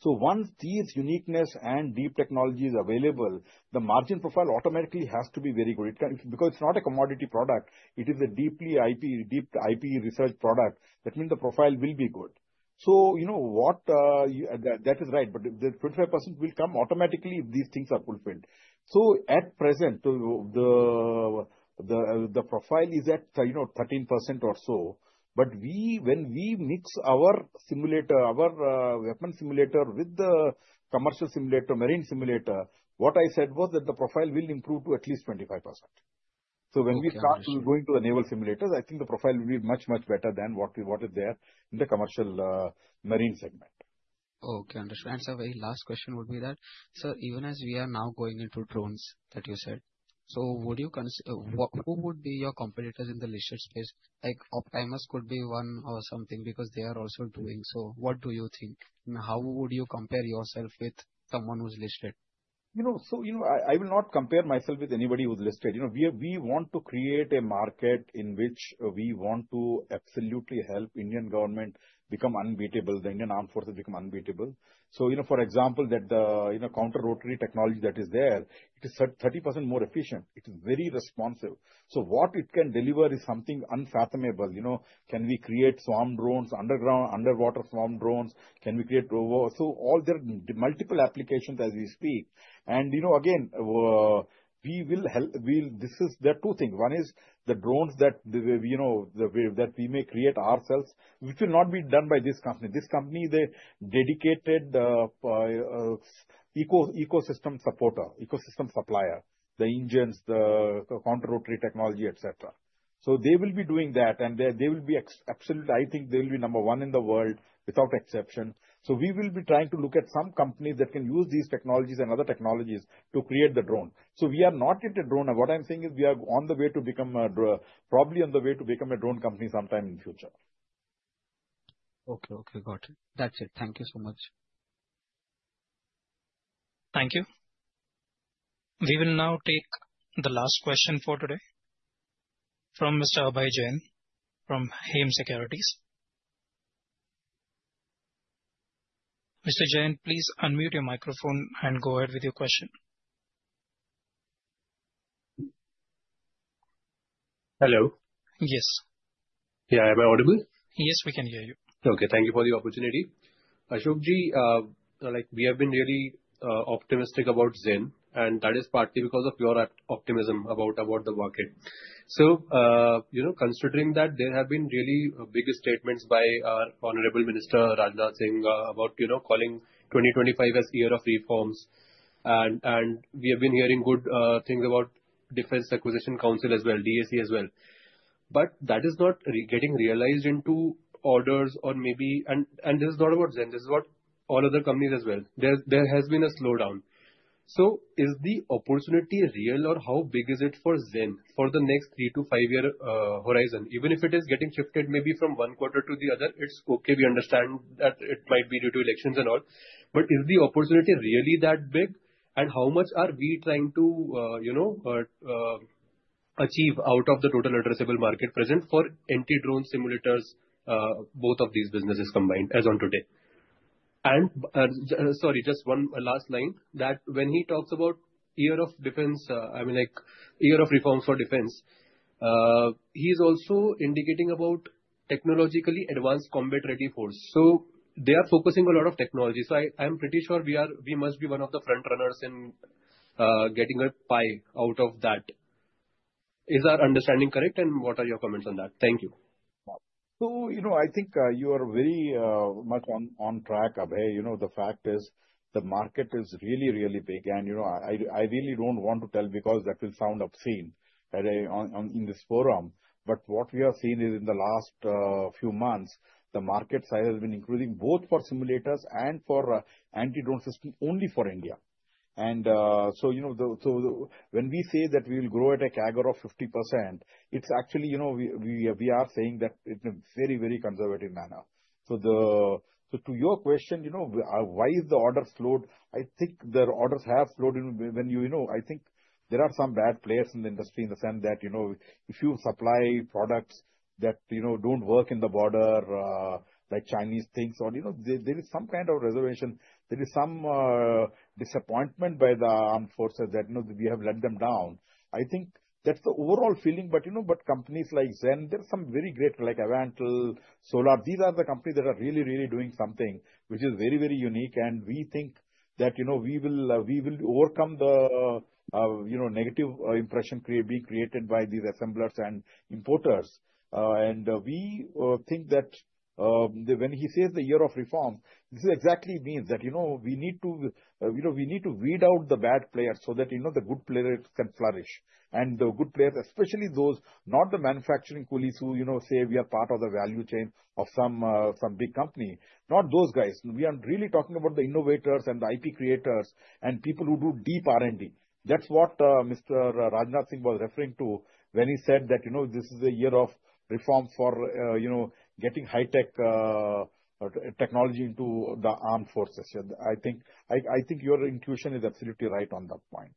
So once these uniqueness and deep technology is available, the margin profile automatically has to be very good. Because it's not a commodity product, it is a deep IP research product, that means the profile will be good. So that is right. But the 25% will come automatically if these things are fulfilled. So at present, the profile is at 13% or so. But when we mix our weapon simulator with the commercial simulator, marine simulator, what I said was that the profile will improve to at least 25%.So when we start going to enable simulators, I think the profile will be much, much better than what is there in the commercial marine segment. Okay. Understood. And sir, my last question would be that, sir, even as we are now going into drones that you said, so who would be your competitors in the listed space? Like Optiemus could be one or something because they are also doing. So what do you think? How would you compare yourself with someone who's listed? So I will not compare myself with anybody who's listed. We want to create a market in which we want to absolutely help the Indian government become unbeatable, the Indian Armed Forces become unbeatable. So for example, that the counter-rotary technology that is there, it is 30% more efficient. It is very responsive. So what it can deliver is something unfathomable. Can we create swarm drones, underground, underwater swarm drones? Can we create? So, there are multiple applications as we speak. And again, we will help. This is the two things. One is the drones that we may create ourselves, which will not be done by this company. This company, the dedicated ecosystem supporter, ecosystem supplier, the engines, the counter rotary technology, etc. So they will be doing that. And they will be absolutely. I think they will be number one in the world without exception. So we will be trying to look at some companies that can use these technologies and other technologies to create the drone. So we are not into drone. What I'm saying is we are on the way to become, probably on the way to become a drone company sometime in the future. Okay. Okay. Got it. That's it. Thank you so much. Thank you. We will now take the last question for today from Mr. Abhay Jain from Hem Securities. Mr. Jain, please unmute your microphone and go ahead with your question. Hello? Yes. Yeah. Am I audible? Yes, we can hear you. Okay. Thank you for the opportunity. Ashok ji, we have been really optimistic about Zen. And that is partly because of your optimism about the market. So considering that there have been really big statements by our honorable Minister Rajnath Singh about calling 2025 as the year of reforms. And we have been hearing good things about Defense Acquisition Council as well, DAC as well. But that is not getting realized into orders or maybe, and this is not about Zen. This is about all other companies as well. There has been a slowdown. So is the opportunity real or how big is it for Zen for the next three to five-year horizon? Even if it is getting shifted maybe from one quarter to the other, it's okay. We understand that it might be due to elections and all. But is the opportunity really that big? And how much are we trying to achieve out of the total addressable market present for anti-drone simulators, both of these businesses combined as on today? And sorry, just one last line that when he talks about year of defense, I mean year of reforms for defense, he's also indicating about technologically advanced combat-ready force. So they are focusing a lot of technology. So I'm pretty sure we must be one of the front runners in getting a pie out of that. Is our understanding correct? And what are your comments on that? Thank you. I think you are very much on track, Abhay. The fact is the market is really, really big. I really don't want to tell because that will sound obscene in this forum. What we have seen is in the last few months, the market size has been increasing both for simulators and for anti-drone systems only for India. When we say that we will grow at a CAGR of 50%, it's actually we are saying that in a very, very conservative manner. To your question, why is the order slowed? I think the orders have slowed when I think there are some bad players in the industry in the sense that if you supply products that don't work in the border, like Chinese things, or there is some kind of reservation. There is some disappointment by the armed forces that we have let them down. I think that's the overall feeling, but companies like Zen, there are some very great like Avantel, Solar. These are the companies that are really, really doing something which is very, very unique, and we think that we will overcome the negative impression being created by these assemblers and importers, and we think that when he says the year of reform, this exactly means that we need to weed out the bad players so that the good players can flourish. And the good players, especially those, not the manufacturing coolies who say we are part of the value chain of some big company, not those guys. We are really talking about the innovators and the IP creators and people who do deep R&D. That's what Mr. Rajnath Singh was referring to when he said that this is a year of reforms for getting high-tech technology into the armed forces. I think your intuition is absolutely right on that point.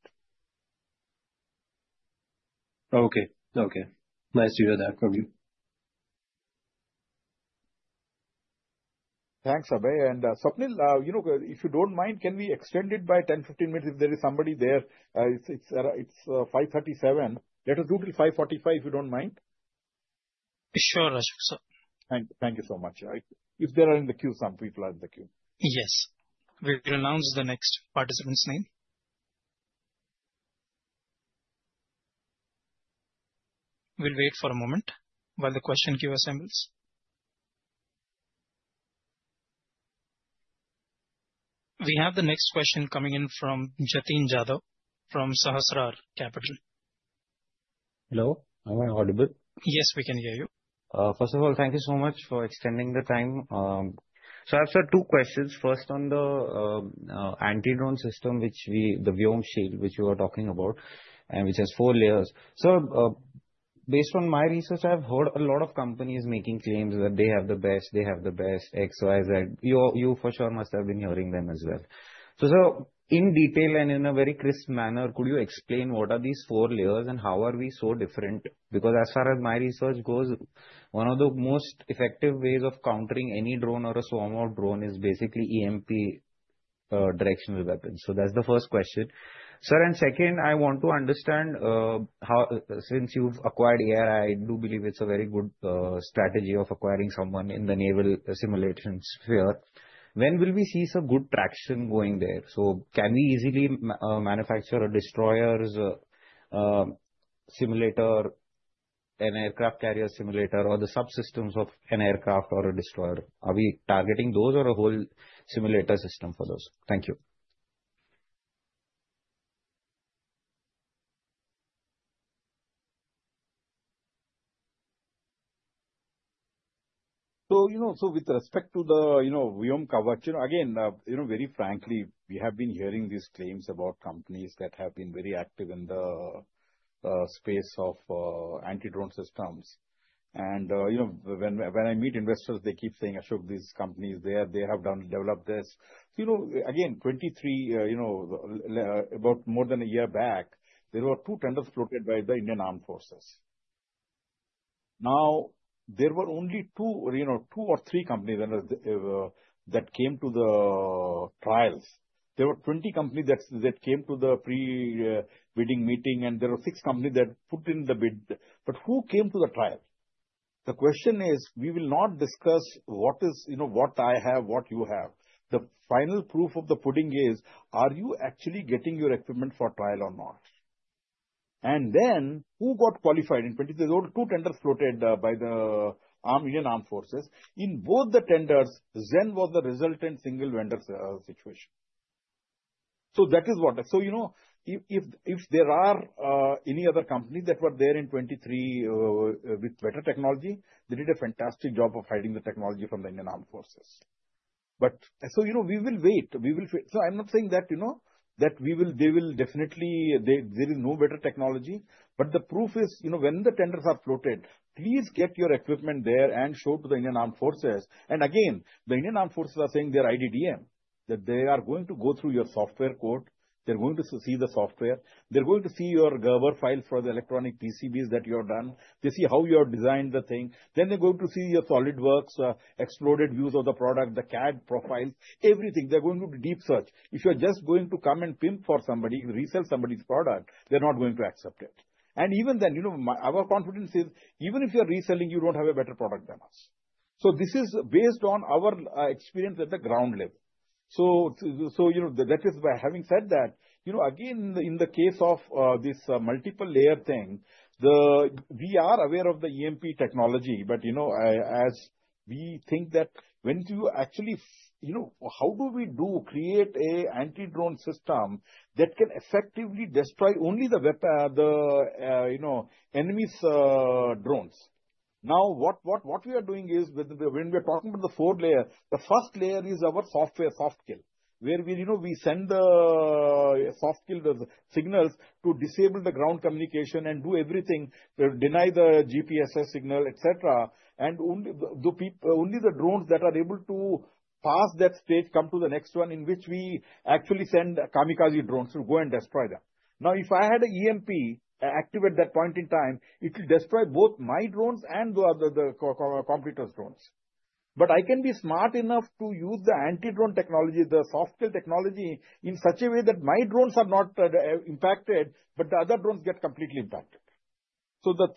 Okay. Okay. Nice to hear that from you. Thanks, Abhay. And Swapnil, if you don't mind, can we extend it by 10, 15 minutes if there is somebody there? It's 5:37 P.M. Let us do till 5:45 P.M. if you don't mind. Sure, Ashok sir. Thank you so much. If they are in the queue, some people are in the queue. Yes. We will announce the next participant's name. We'll wait for a moment while the question queue assembles. We have the next question coming in from Jatin Jadhav from Sahasrar Capital. Hello. Am I audible? Yes, we can hear you. First of all, thank you so much for extending the time. So I have two questions. First, on the anti-drone system, which is the Vyom Kavach, which you are talking about, which has four layers. So based on my research, I've heard a lot of companies making claims that they have the best, they have the best, X, Y, Z. You for sure must have been hearing them as well. So in detail and in a very crisp manner, could you explain what are these four layers and how are we so different? Because as far as my research goes, one of the most effective ways of countering any drone or a swarm of drones is basically EMP directional weapons. So that's the first question. Sir, and second, I want to understand since you've acquired ARI. I do believe it's a very good strategy of acquiring someone in the naval simulation sphere. When will we see some good traction going there? Can we easily manufacture a destroyer simulator, an aircraft carrier simulator, or the subsystems of an aircraft or a destroyer? Are we targeting those or a whole simulator system for those? Thank you. With respect to the Vyom Kavach, again, very frankly, we have been hearing these claims about companies that have been very active in the space of anti-drone systems. And when I meet investors, they keep saying, "Ashok, these companies, they have developed this." Again, in 2023, about more than a year back, there were two tenders floated by the Indian Armed Forces. Now, there were only two or three companies that came to the trials. There were 20 companies that came to the pre-bidding meeting, and there were six companies that put in the bid. But who came to the trial? The question is, we will not discuss what I have, what you have. The final proof of the pudding is, are you actually getting your equipment for trial or not? And then who got qualified in 2023? There were two tenders floated by the Indian Armed Forces. In both the tenders, Zen was the resultant single vendor situation. So that is what. So if there are any other companies that were there in 2023 with better technology, they did a fantastic job of hiding the technology from the Indian Armed Forces. But so we will wait. So I'm not saying that they will definitely, there is no better technology. But the proof is when the tenders are floated, please get your equipment there and show to the Indian Armed Forces. And again, the Indian Armed Forces are saying they're IDDM, that they are going to go through your software code. They're going to see the software. They're going to see your Gerber file for the electronic PCBs that you have done. They see how you have designed the thing. Then they're going to see your SolidWorks, exploded views of the product, the CAD profiles, everything. They're going to do deep search. If you are just going to come and pimp for somebody, resell somebody's product, they're not going to accept it. And even then, our confidence is, even if you're reselling, you don't have a better product than us. So this is based on our experience at the ground level. So that is why, having said that, again, in the case of this multiple-layer thing, we are aware of the EMP technology. But as we think that when you actually, how do we create an anti-drone system that can effectively destroy only the enemy's drones? Now, what we are doing is when we are talking about the four layers, the first layer is our software, soft kill, where we send the soft kill signals to disable the ground communication and do everything, deny the GPS signal, etc. And only the drones that are able to pass that stage come to the next one in which we actually send kamikaze drones to go and destroy them. Now, if I had an EMP activate at that point in time, it will destroy both my drones and the competitor's drones. But I can be smart enough to use the anti-drone technology, the soft kill technology in such a way that my drones are not impacted, but the other drones get completely impacted. So the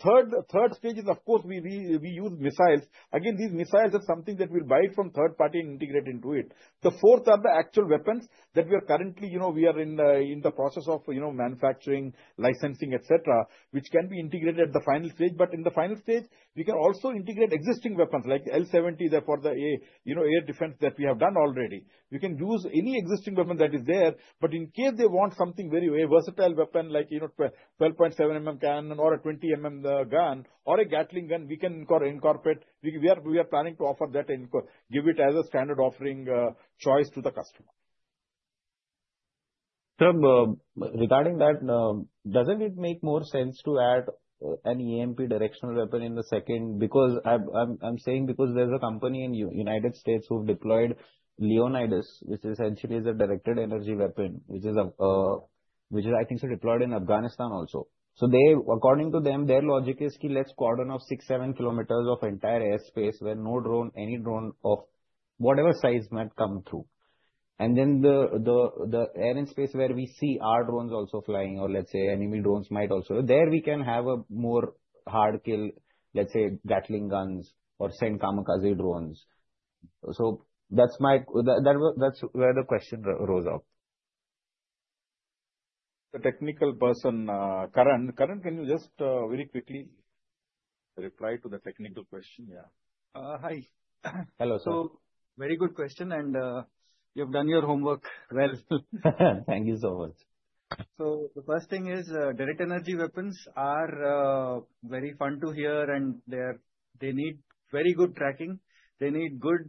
third stage is, of course, we use missiles. Again, these missiles are something that we'll buy from third party and integrate into it. The fourth are the actual weapons that we are currently, we are in the process of manufacturing, licensing, etc., which can be integrated at the final stage. But in the final stage, we can also integrate existing weapons like L70 there for the air defense that we have done already. We can use any existing weapon that is there. But in case they want something very versatile weapon like a 12.7 cannon or a 20 gun or a Gatling gun, we can incorporate. We are planning to offer that and give it as a standard offering choice to the customer. Sir, regarding that, doesn't it make more sense to add an EMP directional weapon in the second? Because I'm saying because there's a company in the United States who've deployed Leonidas, which essentially is a directed energy weapon, which is, I think, deployed in Afghanistan also. So according to them, their logic is, let's quadrant off six, seven kilometers of entire airspace where no drone, any drone of whatever size might come through. And then the air and space where we see our drones also flying or let's say enemy drones might also, there we can have a more hard kill, let's say Gatling guns or send kamikaze drones. So that's where the question rose up. The technical person, Karna, can you just very quickly reply to the technical question? Yeah. Hi. Hello, sir. So very good question. And you have done your homework well. Thank you so much. So the first thing is directed energy weapons are very fun to hear, and they need very good tracking. They need good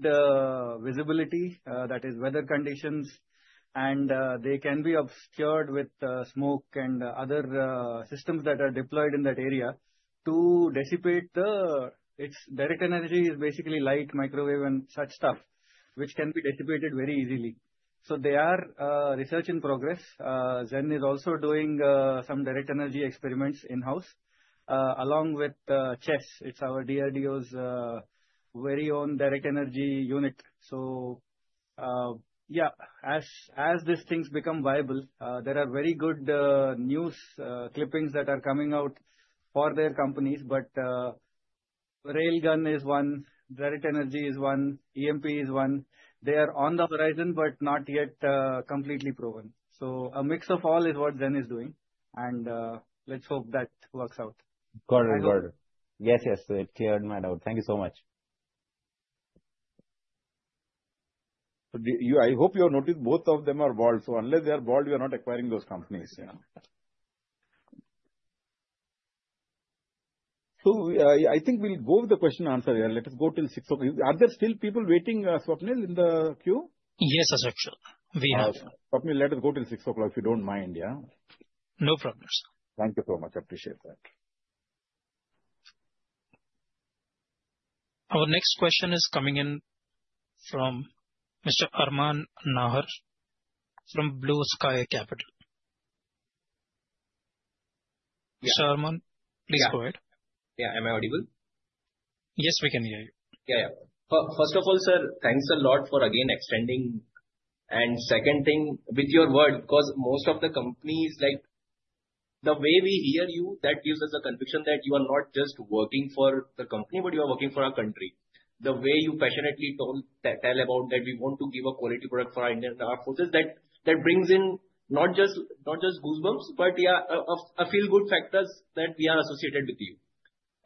visibility, that is, weather conditions. And they can be obscured with smoke and other systems that are deployed in that area to dissipate. The directed energy is basically light, microwave, and such stuff, which can be dissipated very easily, so they are research in progress. Zen is also doing some directed energy experiments in-house along with CHESS. It is our DRDO's very own directed energy unit, so yeah, as these things become viable, there are very good news clippings that are coming out for their companies, but railgun is one, directed energy is one, EMP is one. They are on the horizon, but not yet completely proven, so a mix of all is what Zen is doing, and let's hope that works out. Got it. Got it. Yes, yes, so it cleared my doubt. Thank you so much. I hope you have noticed both of them are bald. So unless they are bald, we are not acquiring those companies. So I think we'll go with the question and answer. Let us go till 6:00 P.M. Are there still people waiting, Swapnil, in the queue? Yes, Ashok sir. We have. Swapnil, let us go till 6:00 P.M. if you don't mind, yeah? No problem, sir. Thank you so much. I appreciate that. Our next question is coming in from Mr. Arman Nahar from Blue Sky Capital. Mr. Arman, please go ahead. Yeah. Am I audible? Yes, we can hear you. Yeah, yeah. First of all, sir, thanks a lot for again extending. And second thing, with your word, because most of the companies, the way we hear you, that gives us the conviction that you are not just working for the company, but you are working for our country. The way you passionately tell about that we want to give a quality product for our Indian Armed Forces, that brings in not just goosebumps, but yeah, a feel-good factor that we are associated with you.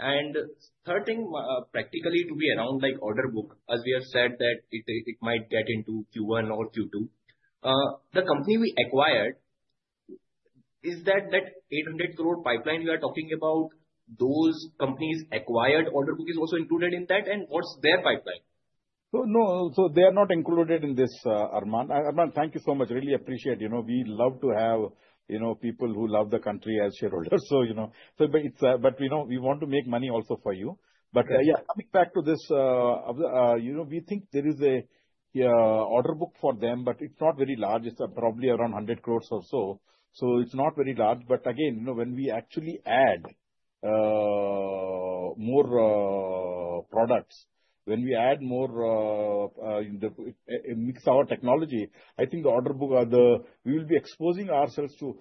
Third thing, practically to be around like order book, as we have said that it might get into Q1 or Q2, the company we acquired, is that 800 crore pipeline we are talking about, those companies' acquired order book is also included in that? And what's their pipeline? No, they are not included in this, Arman. Arman, thank you so much. Really appreciate. We love to have people who love the country as shareholders. We want to make money also for you. Yeah, coming back to this, we think there is an order book for them, but it's not very large. It's probably around 100 crores or so. So it's not very large. But again, when we actually add more products, when we add more, mix our technology, I think the order book, we will be exposing ourselves to,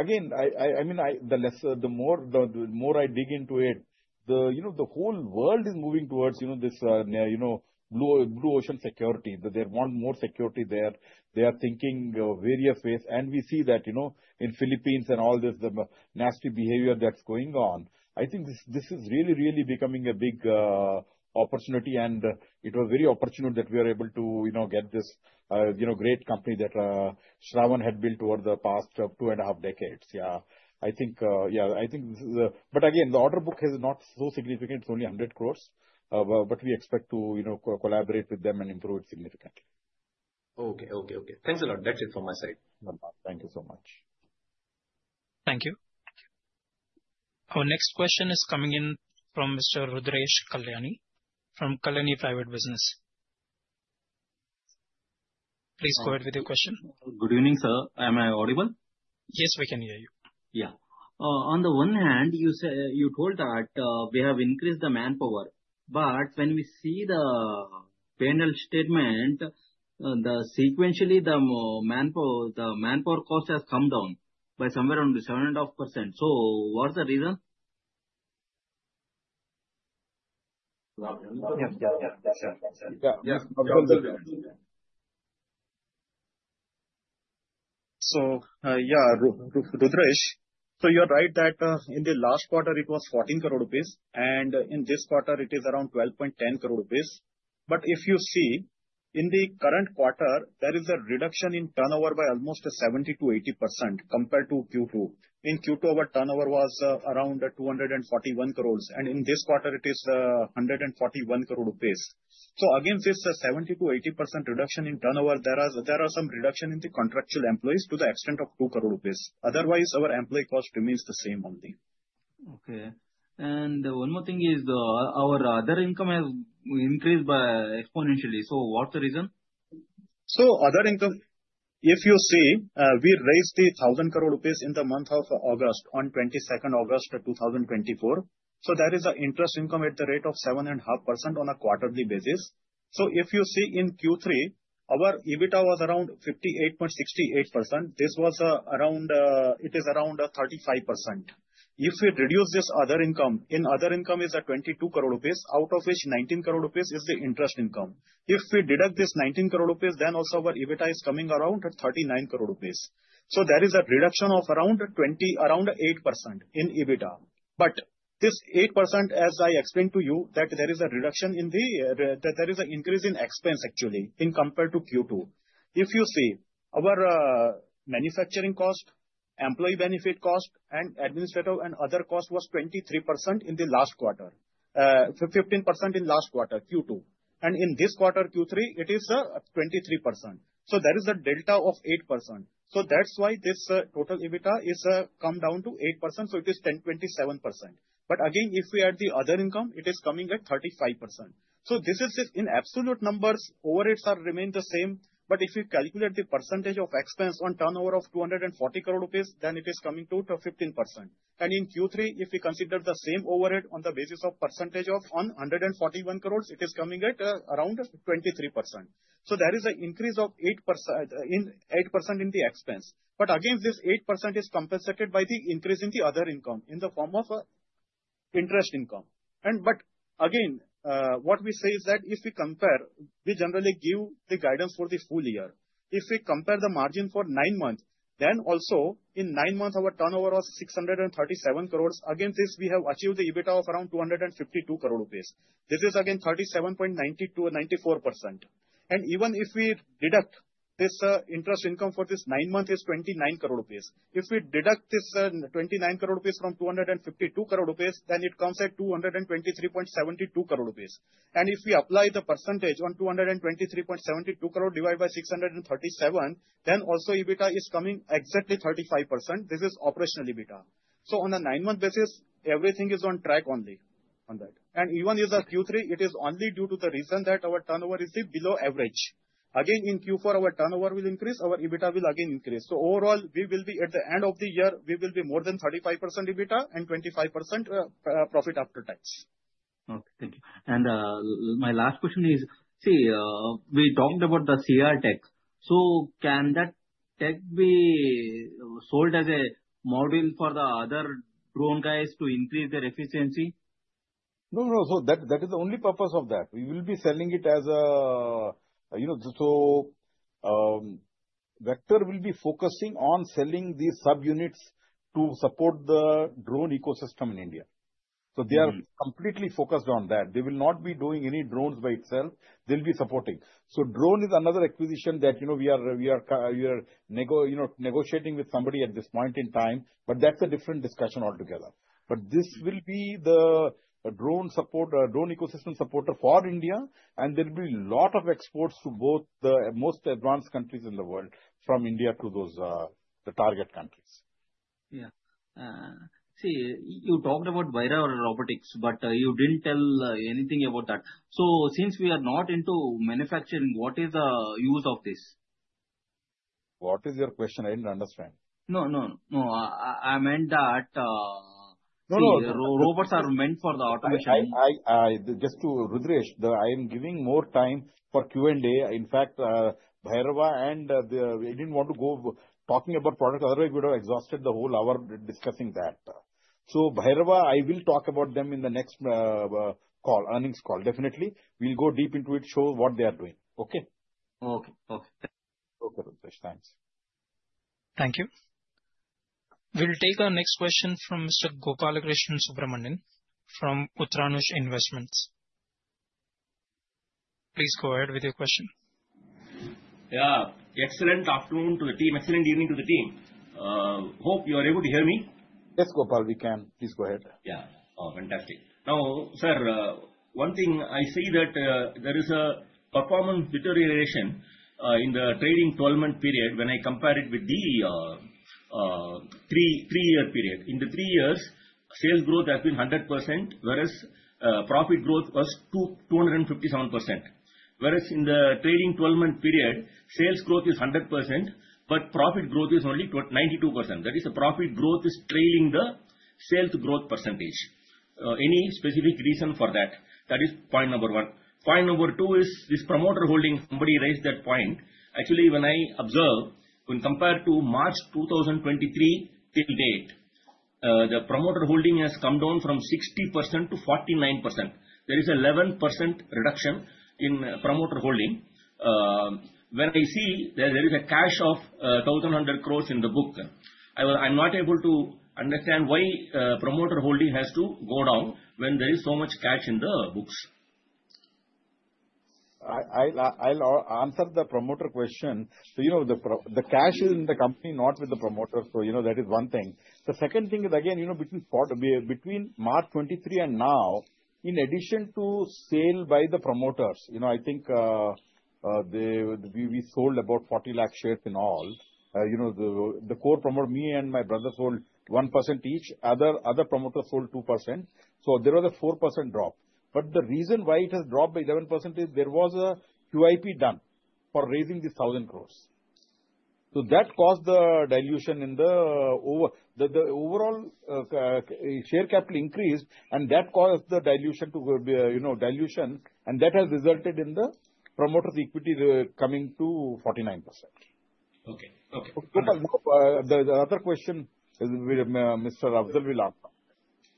again, I mean, the more I dig into it, the whole world is moving towards this blue ocean security. They want more security there. They are thinking various ways. And we see that in the Philippines and all this nasty behavior that's going on, I think this is really, really becoming a big opportunity. And it was very opportune that we are able to get this great company that Shravan had built over the past two and a half decades. Yeah, I think this is a, but again, the order book is not so significant. It's only 100 crores. But we expect to collaborate with them and improve it significantly. Okay, okay, okay. Thanks a lot. That's it from my side. Thank you so much. Thank you. Our next question is coming in from Mr. Rudresh Kalyani from Kalyani Group. Please go ahead with your question. Good evening, sir. Am I audible? Yes, we can hear you. Yeah. On the one hand, you told that we have increased the manpower. But when we see the P&L statement, sequentially, the manpower cost has come down by somewhere around 7.5%. So what's the reason? So yeah, Rudresh, so you are right that in the last quarter, it was 14 crore rupees. And in this quarter, it is around 12.10 crore rupees. But if you see, in the current quarter, there is a reduction in turnover by almost 70%-80% compared to Q2. In Q2, our turnover was around 241 crores. And in this quarter, it is 141 crore rupees. So against this 70%-80% reduction in turnover, there are some reductions in the contractual employees to the extent of 2 crore rupees. Otherwise, our employee cost remains the same only. Okay. And one more thing is our other income has increased exponentially. So what's the reason? So other income, if you see, we raised the 1,000 crore rupees in the month of August, on 22 August 2024. So that is an interest income at the rate of 7.5% on a quarterly basis. So if you see in Q3, our EBITDA was around 58.68%. This was around, it is around 35%. If we reduce this other income, in other income is 22 crore rupees, out of which 19 crore rupees is the interest income. If we deduct this 19 crore rupees, then also our EBITDA is coming around at 39 crore rupees. So there is a reduction of around 8% in EBITDA. But this 8%, as I explained to you, there is an increase in expense actually in compared to Q2. If you see, our manufacturing cost, employee benefit cost, and administrative and other cost was 23% in the last quarter, 15% in last quarter, Q2. And in this quarter, Q3, it is 23%. So there is a delta of 8%. So that's why this total EBITDA has come down to 8%. So it is 10.27%. But again, if we add the other income, it is coming at 35%. So this is in absolute numbers, overheads are remained the same. But if you calculate the percentage of expense on turnover of 240 crore rupees, then it is coming to 15%. In Q3, if we consider the same overhead on the basis of percentage of 141 crores, it is coming at around 23%. So there is an increase of 8% in the expense. But again, this 8% is compensated by the increase in the other income in the form of interest income. But again, what we say is that if we compare, we generally give the guidance for the full year. If we compare the margin for nine months, then also in nine months, our turnover was 637 crores. Again, this we have achieved the EBITDA of around 252 crore rupees. This is again 37.94%. And even if we deduct this interest income for this nine months, it is 29 crore rupees. If we deduct this 29 crore rupees from 252 crore rupees, then it comes at 223.72 crore rupees. If we apply the percentage on 223.72 crore divided by 637, then also EBITDA is coming exactly 35%. This is operational EBITDA. So on a nine-month basis, everything is on track only on that. And even in Q3, it is only due to the reason that our turnover is below average. Again, in Q4, our turnover will increase. Our EBITDA will again increase. So overall, we will be at the end of the year, we will be more than 35% EBITDA and 25% profit after tax. Okay, thank you. And my last question is, see, we talked about the CR tech. So can that tech be sold as a model for the other drone guys to increase their efficiency? No, no. So that is the only purpose of that. We will be selling it as a, so Vector will be focusing on selling these subunits to support the drone ecosystem in India, so they are completely focused on that. They will not be doing any drones by itself. They'll be supporting, so drone is another acquisition that we are negotiating with somebody at this point in time. But that's a different discussion altogether, but this will be the drone support, drone ecosystem supporter for India. And there will be a lot of exports to both the most advanced countries in the world from India to the target countries. Yeah. See, you talked about Bhairava Robotics, but you didn't tell anything about that. So since we are not into manufacturing, what is the use of this? What is your question? I didn't understand. No, no, no. I meant that robots are meant for the automation. Just to Rudresh, I am giving more time for Q&A. In fact, Bhairava, and I didn't want to go talking about product. Otherwise, we would have exhausted the whole hour discussing that. So Bhairava, I will talk about them in the next call, earnings call. Definitely, we'll go deep into it, show what they are doing. Okay? Rudresh, thanks. Thank you. We'll take our next question from Mr. Gopalakrishnan Subramanian from Uttaransh Investments. Please go ahead with your question. Yeah. Excellent afternoon to the team. Excellent evening to the team. Hope you are able to hear me. Yes, Gopal, we can. Please go ahead. Yeah. Fantastic. Now, sir, one thing I see that there is a performance deterioration in the trailing 12-month period when I compare it with the three-year period. In the three years, sales growth has been 100%, whereas profit growth was 257%. Whereas in the trailing 12-month period, sales growth is 100%, but profit growth is only 92%. That is, the profit growth is trailing the sales growth percentage. Any specific reason for that? That is point number one. Point number two is this promoter holding. Somebody raised that point. Actually, when I observe, when compared to March 2023 till date, the promoter holding has come down from 60% to 49%. There is an 11% reduction in promoter holding. When I see there is a cash of 1,100 crores in the books, I'm not able to understand why promoter holding has to go down when there is so much cash in the books. The second thing is, again, between March 23 and now, in addition to sales by the promoters, I think we sold about 40 lakh shares in all. The core promoter, me and my brother, sold 1% each. Other promoters sold 2%. So there was a 4% drop. But the reason why it has dropped by 11% is there was a QIP done for raising these 1,000 crores. So that caused the dilution in the overall share capital increase, and that caused the dilution to dilution, and that has resulted in the promoter's equity coming to 49%. Okay, okay. The other question is Mr. Afzal will answer.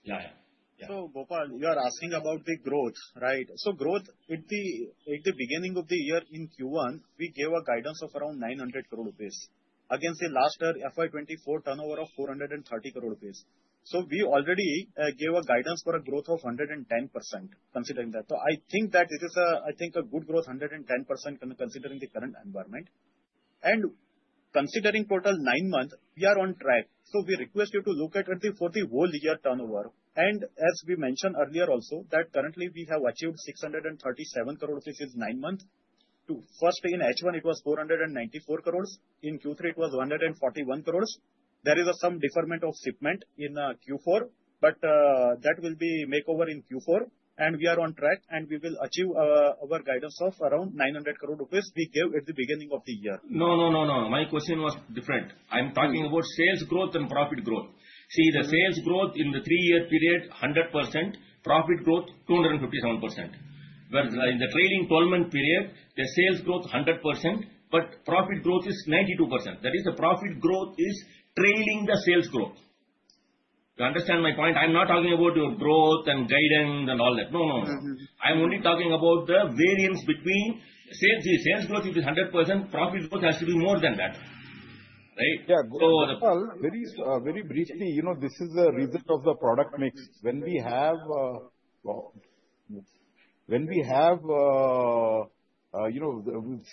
Yeah, yeah. So Gopal, you are asking about the growth, right? So growth, at the beginning of the year in Q1, we gave a guidance of around 900 crore rupees. Again, say last year, FY24 turnover of 430 crore rupees. So we already gave a guidance for a growth of 110% considering that. So I think that it is, I think, a good growth, 110% considering the current environment. And considering total nine months, we are on track. So we request you to look at it for the whole year turnover. And as we mentioned earlier also, that currently we have achieved 637 crore rupees in nine months. First, in H1, it was 494 crore. In Q3, it was 141 crore. There is some deferment of shipment in Q4, but that will be made up in Q4. And we are on track, and we will achieve our guidance of around 900 crore rupees we gave at the beginning of the year. No, no, no, no. My question was different. I'm talking about sales growth and profit growth. See, the sales growth in the three-year period, 100%. Profit growth, 257%. Whereas in the trailing 12-month period, the sales growth is 100%, but profit growth is 92%. That is, the profit growth is trailing the sales growth. You understand my point? I'm not talking about your growth and guidance and all that. No, no, no. I'm only talking about the variance between sales. See, sales growth, if it's 100%, profit growth has to be more than that. Right? Yeah, Gopal, very briefly, this is the result of the product mix. When we have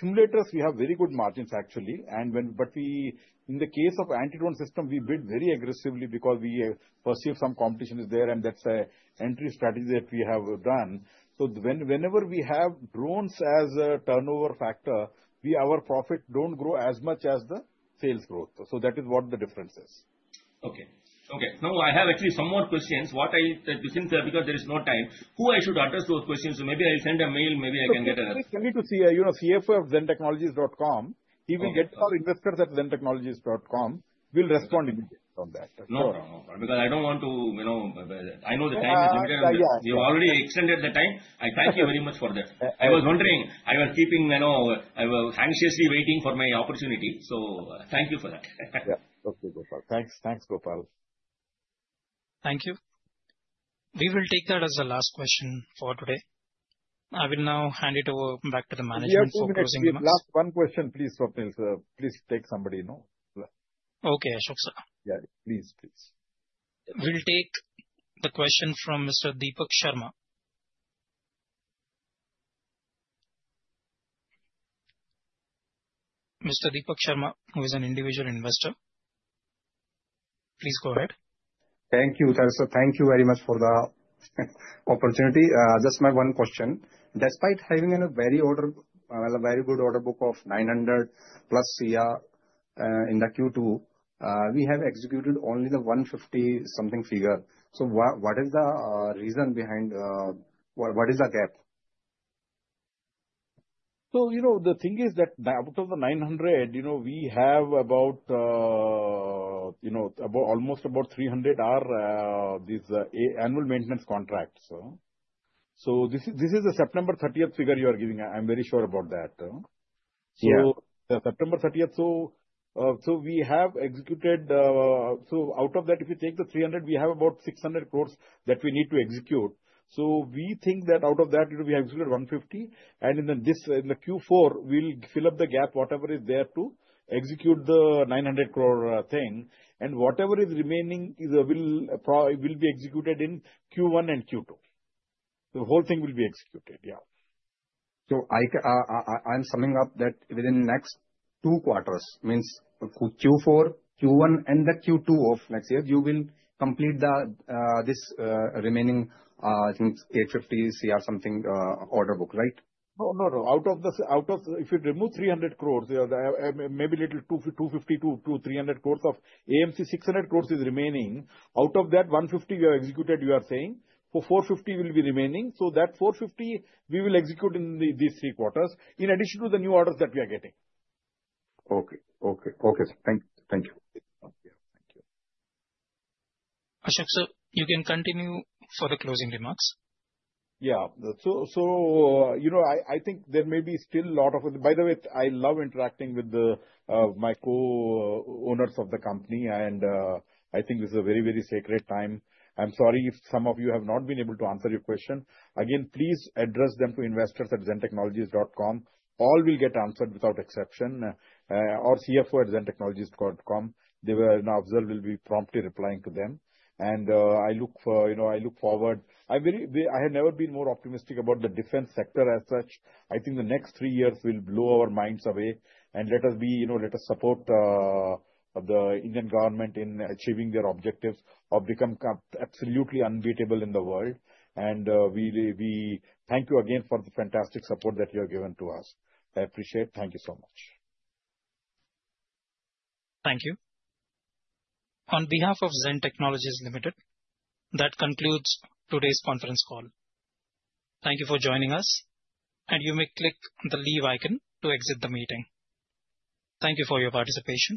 simulators, we have very good margins, actually. But in the case of anti-drone system, we bid very aggressively because we perceive some competition is there, and that's an entry strategy that we have done. So whenever we have drones as a turnover factor, our profit doesn't grow as much as the sales growth. So that is what the difference is. Okay, okay. Now, I have actually some more questions. Since there is no time, who should I address those questions to? So maybe I'll send a mail. Maybe I can get an answer. Please send it to cfo@zentechnologies.com. He will get back to our investors at zentechnologies.com. We'll respond immediately on that. No, no, no. Because I don't want to, I know the time is limited. You already extended the time. I thank you very much for that. I was wondering. I was keeping anxiously waiting for my opportunity. So thank you for that. Yeah. Okay, Gopal. Thanks, Gopal. Thank you. We will take that as the last question for today. I will now hand it over back to the management for closing the questions. Last one question, please, Swapnil. Please take somebody. Okay, Ashok sir. Yeah, please, please. We'll take the question from Mr. Deepak Sharma, who is an individual investor. Please go ahead. Thank you, sir. So thank you very much for the opportunity. Just my one question. Despite having a very good order book of 900+ crore in the Q2, we have executed only the 150-something figure. So what is the reason behind what is the gap? So the thing is that out of the 900, we have almost about 300 are these annual maintenance contracts. So this is the September 30th figure you are giving. I'm very sure about that. So September 30th, so we have executed. So out of that, if you take the 300, we have about 600 crore that we need to execute. So we think that out of that, we have executed 150. And in the Q4, we'll fill up the gap, whatever is there to execute the 900 crore thing. And whatever is remaining will be executed in Q1 and Q2. The whole thing will be executed. Yeah. So I'm summing up that within the next two quarters, means Q4, Q1, and the Q2 of next year, you will complete this remaining, I think, 850 crore something order book, right? No, no, no. Out of the, if you remove 300 crore, maybe a little 250-300 crore of AMC 600 crore is remaining. Out of that 150 crore we have executed, you are saying, 450 crore will be remaining. So that 450 crore, we will execute in these three quarters in addition to the new orders that we are getting. Okay, okay, okay. Thank you. Thank you. Ashok sir, you can continue for the closing remarks. Yeah. So I think there may be still a lot of, by the way, I love interacting with my co-owners of the company, and I think this is a very, very sacred time. I'm sorry if some of you have not been able to answer your question. Again, please address them to investors@zentechnologies.com. All will get answered without exception. Our CFO at zen-technologies.com will be promptly replying to them. And I look forward. I have never been more optimistic about the defense sector as such. I think the next three years will blow our minds away. And let us support the Indian government in achieving their objectives of becoming absolutely unbeatable in the world. And we thank you again for the fantastic support that you have given to us. I appreciate it. Thank you so much. Thank you. On behalf of Zen Technologies Limited, that concludes today's conference call. Thank you for joining us. And you may click the leave icon to exit the meeting. Thank you for your participation.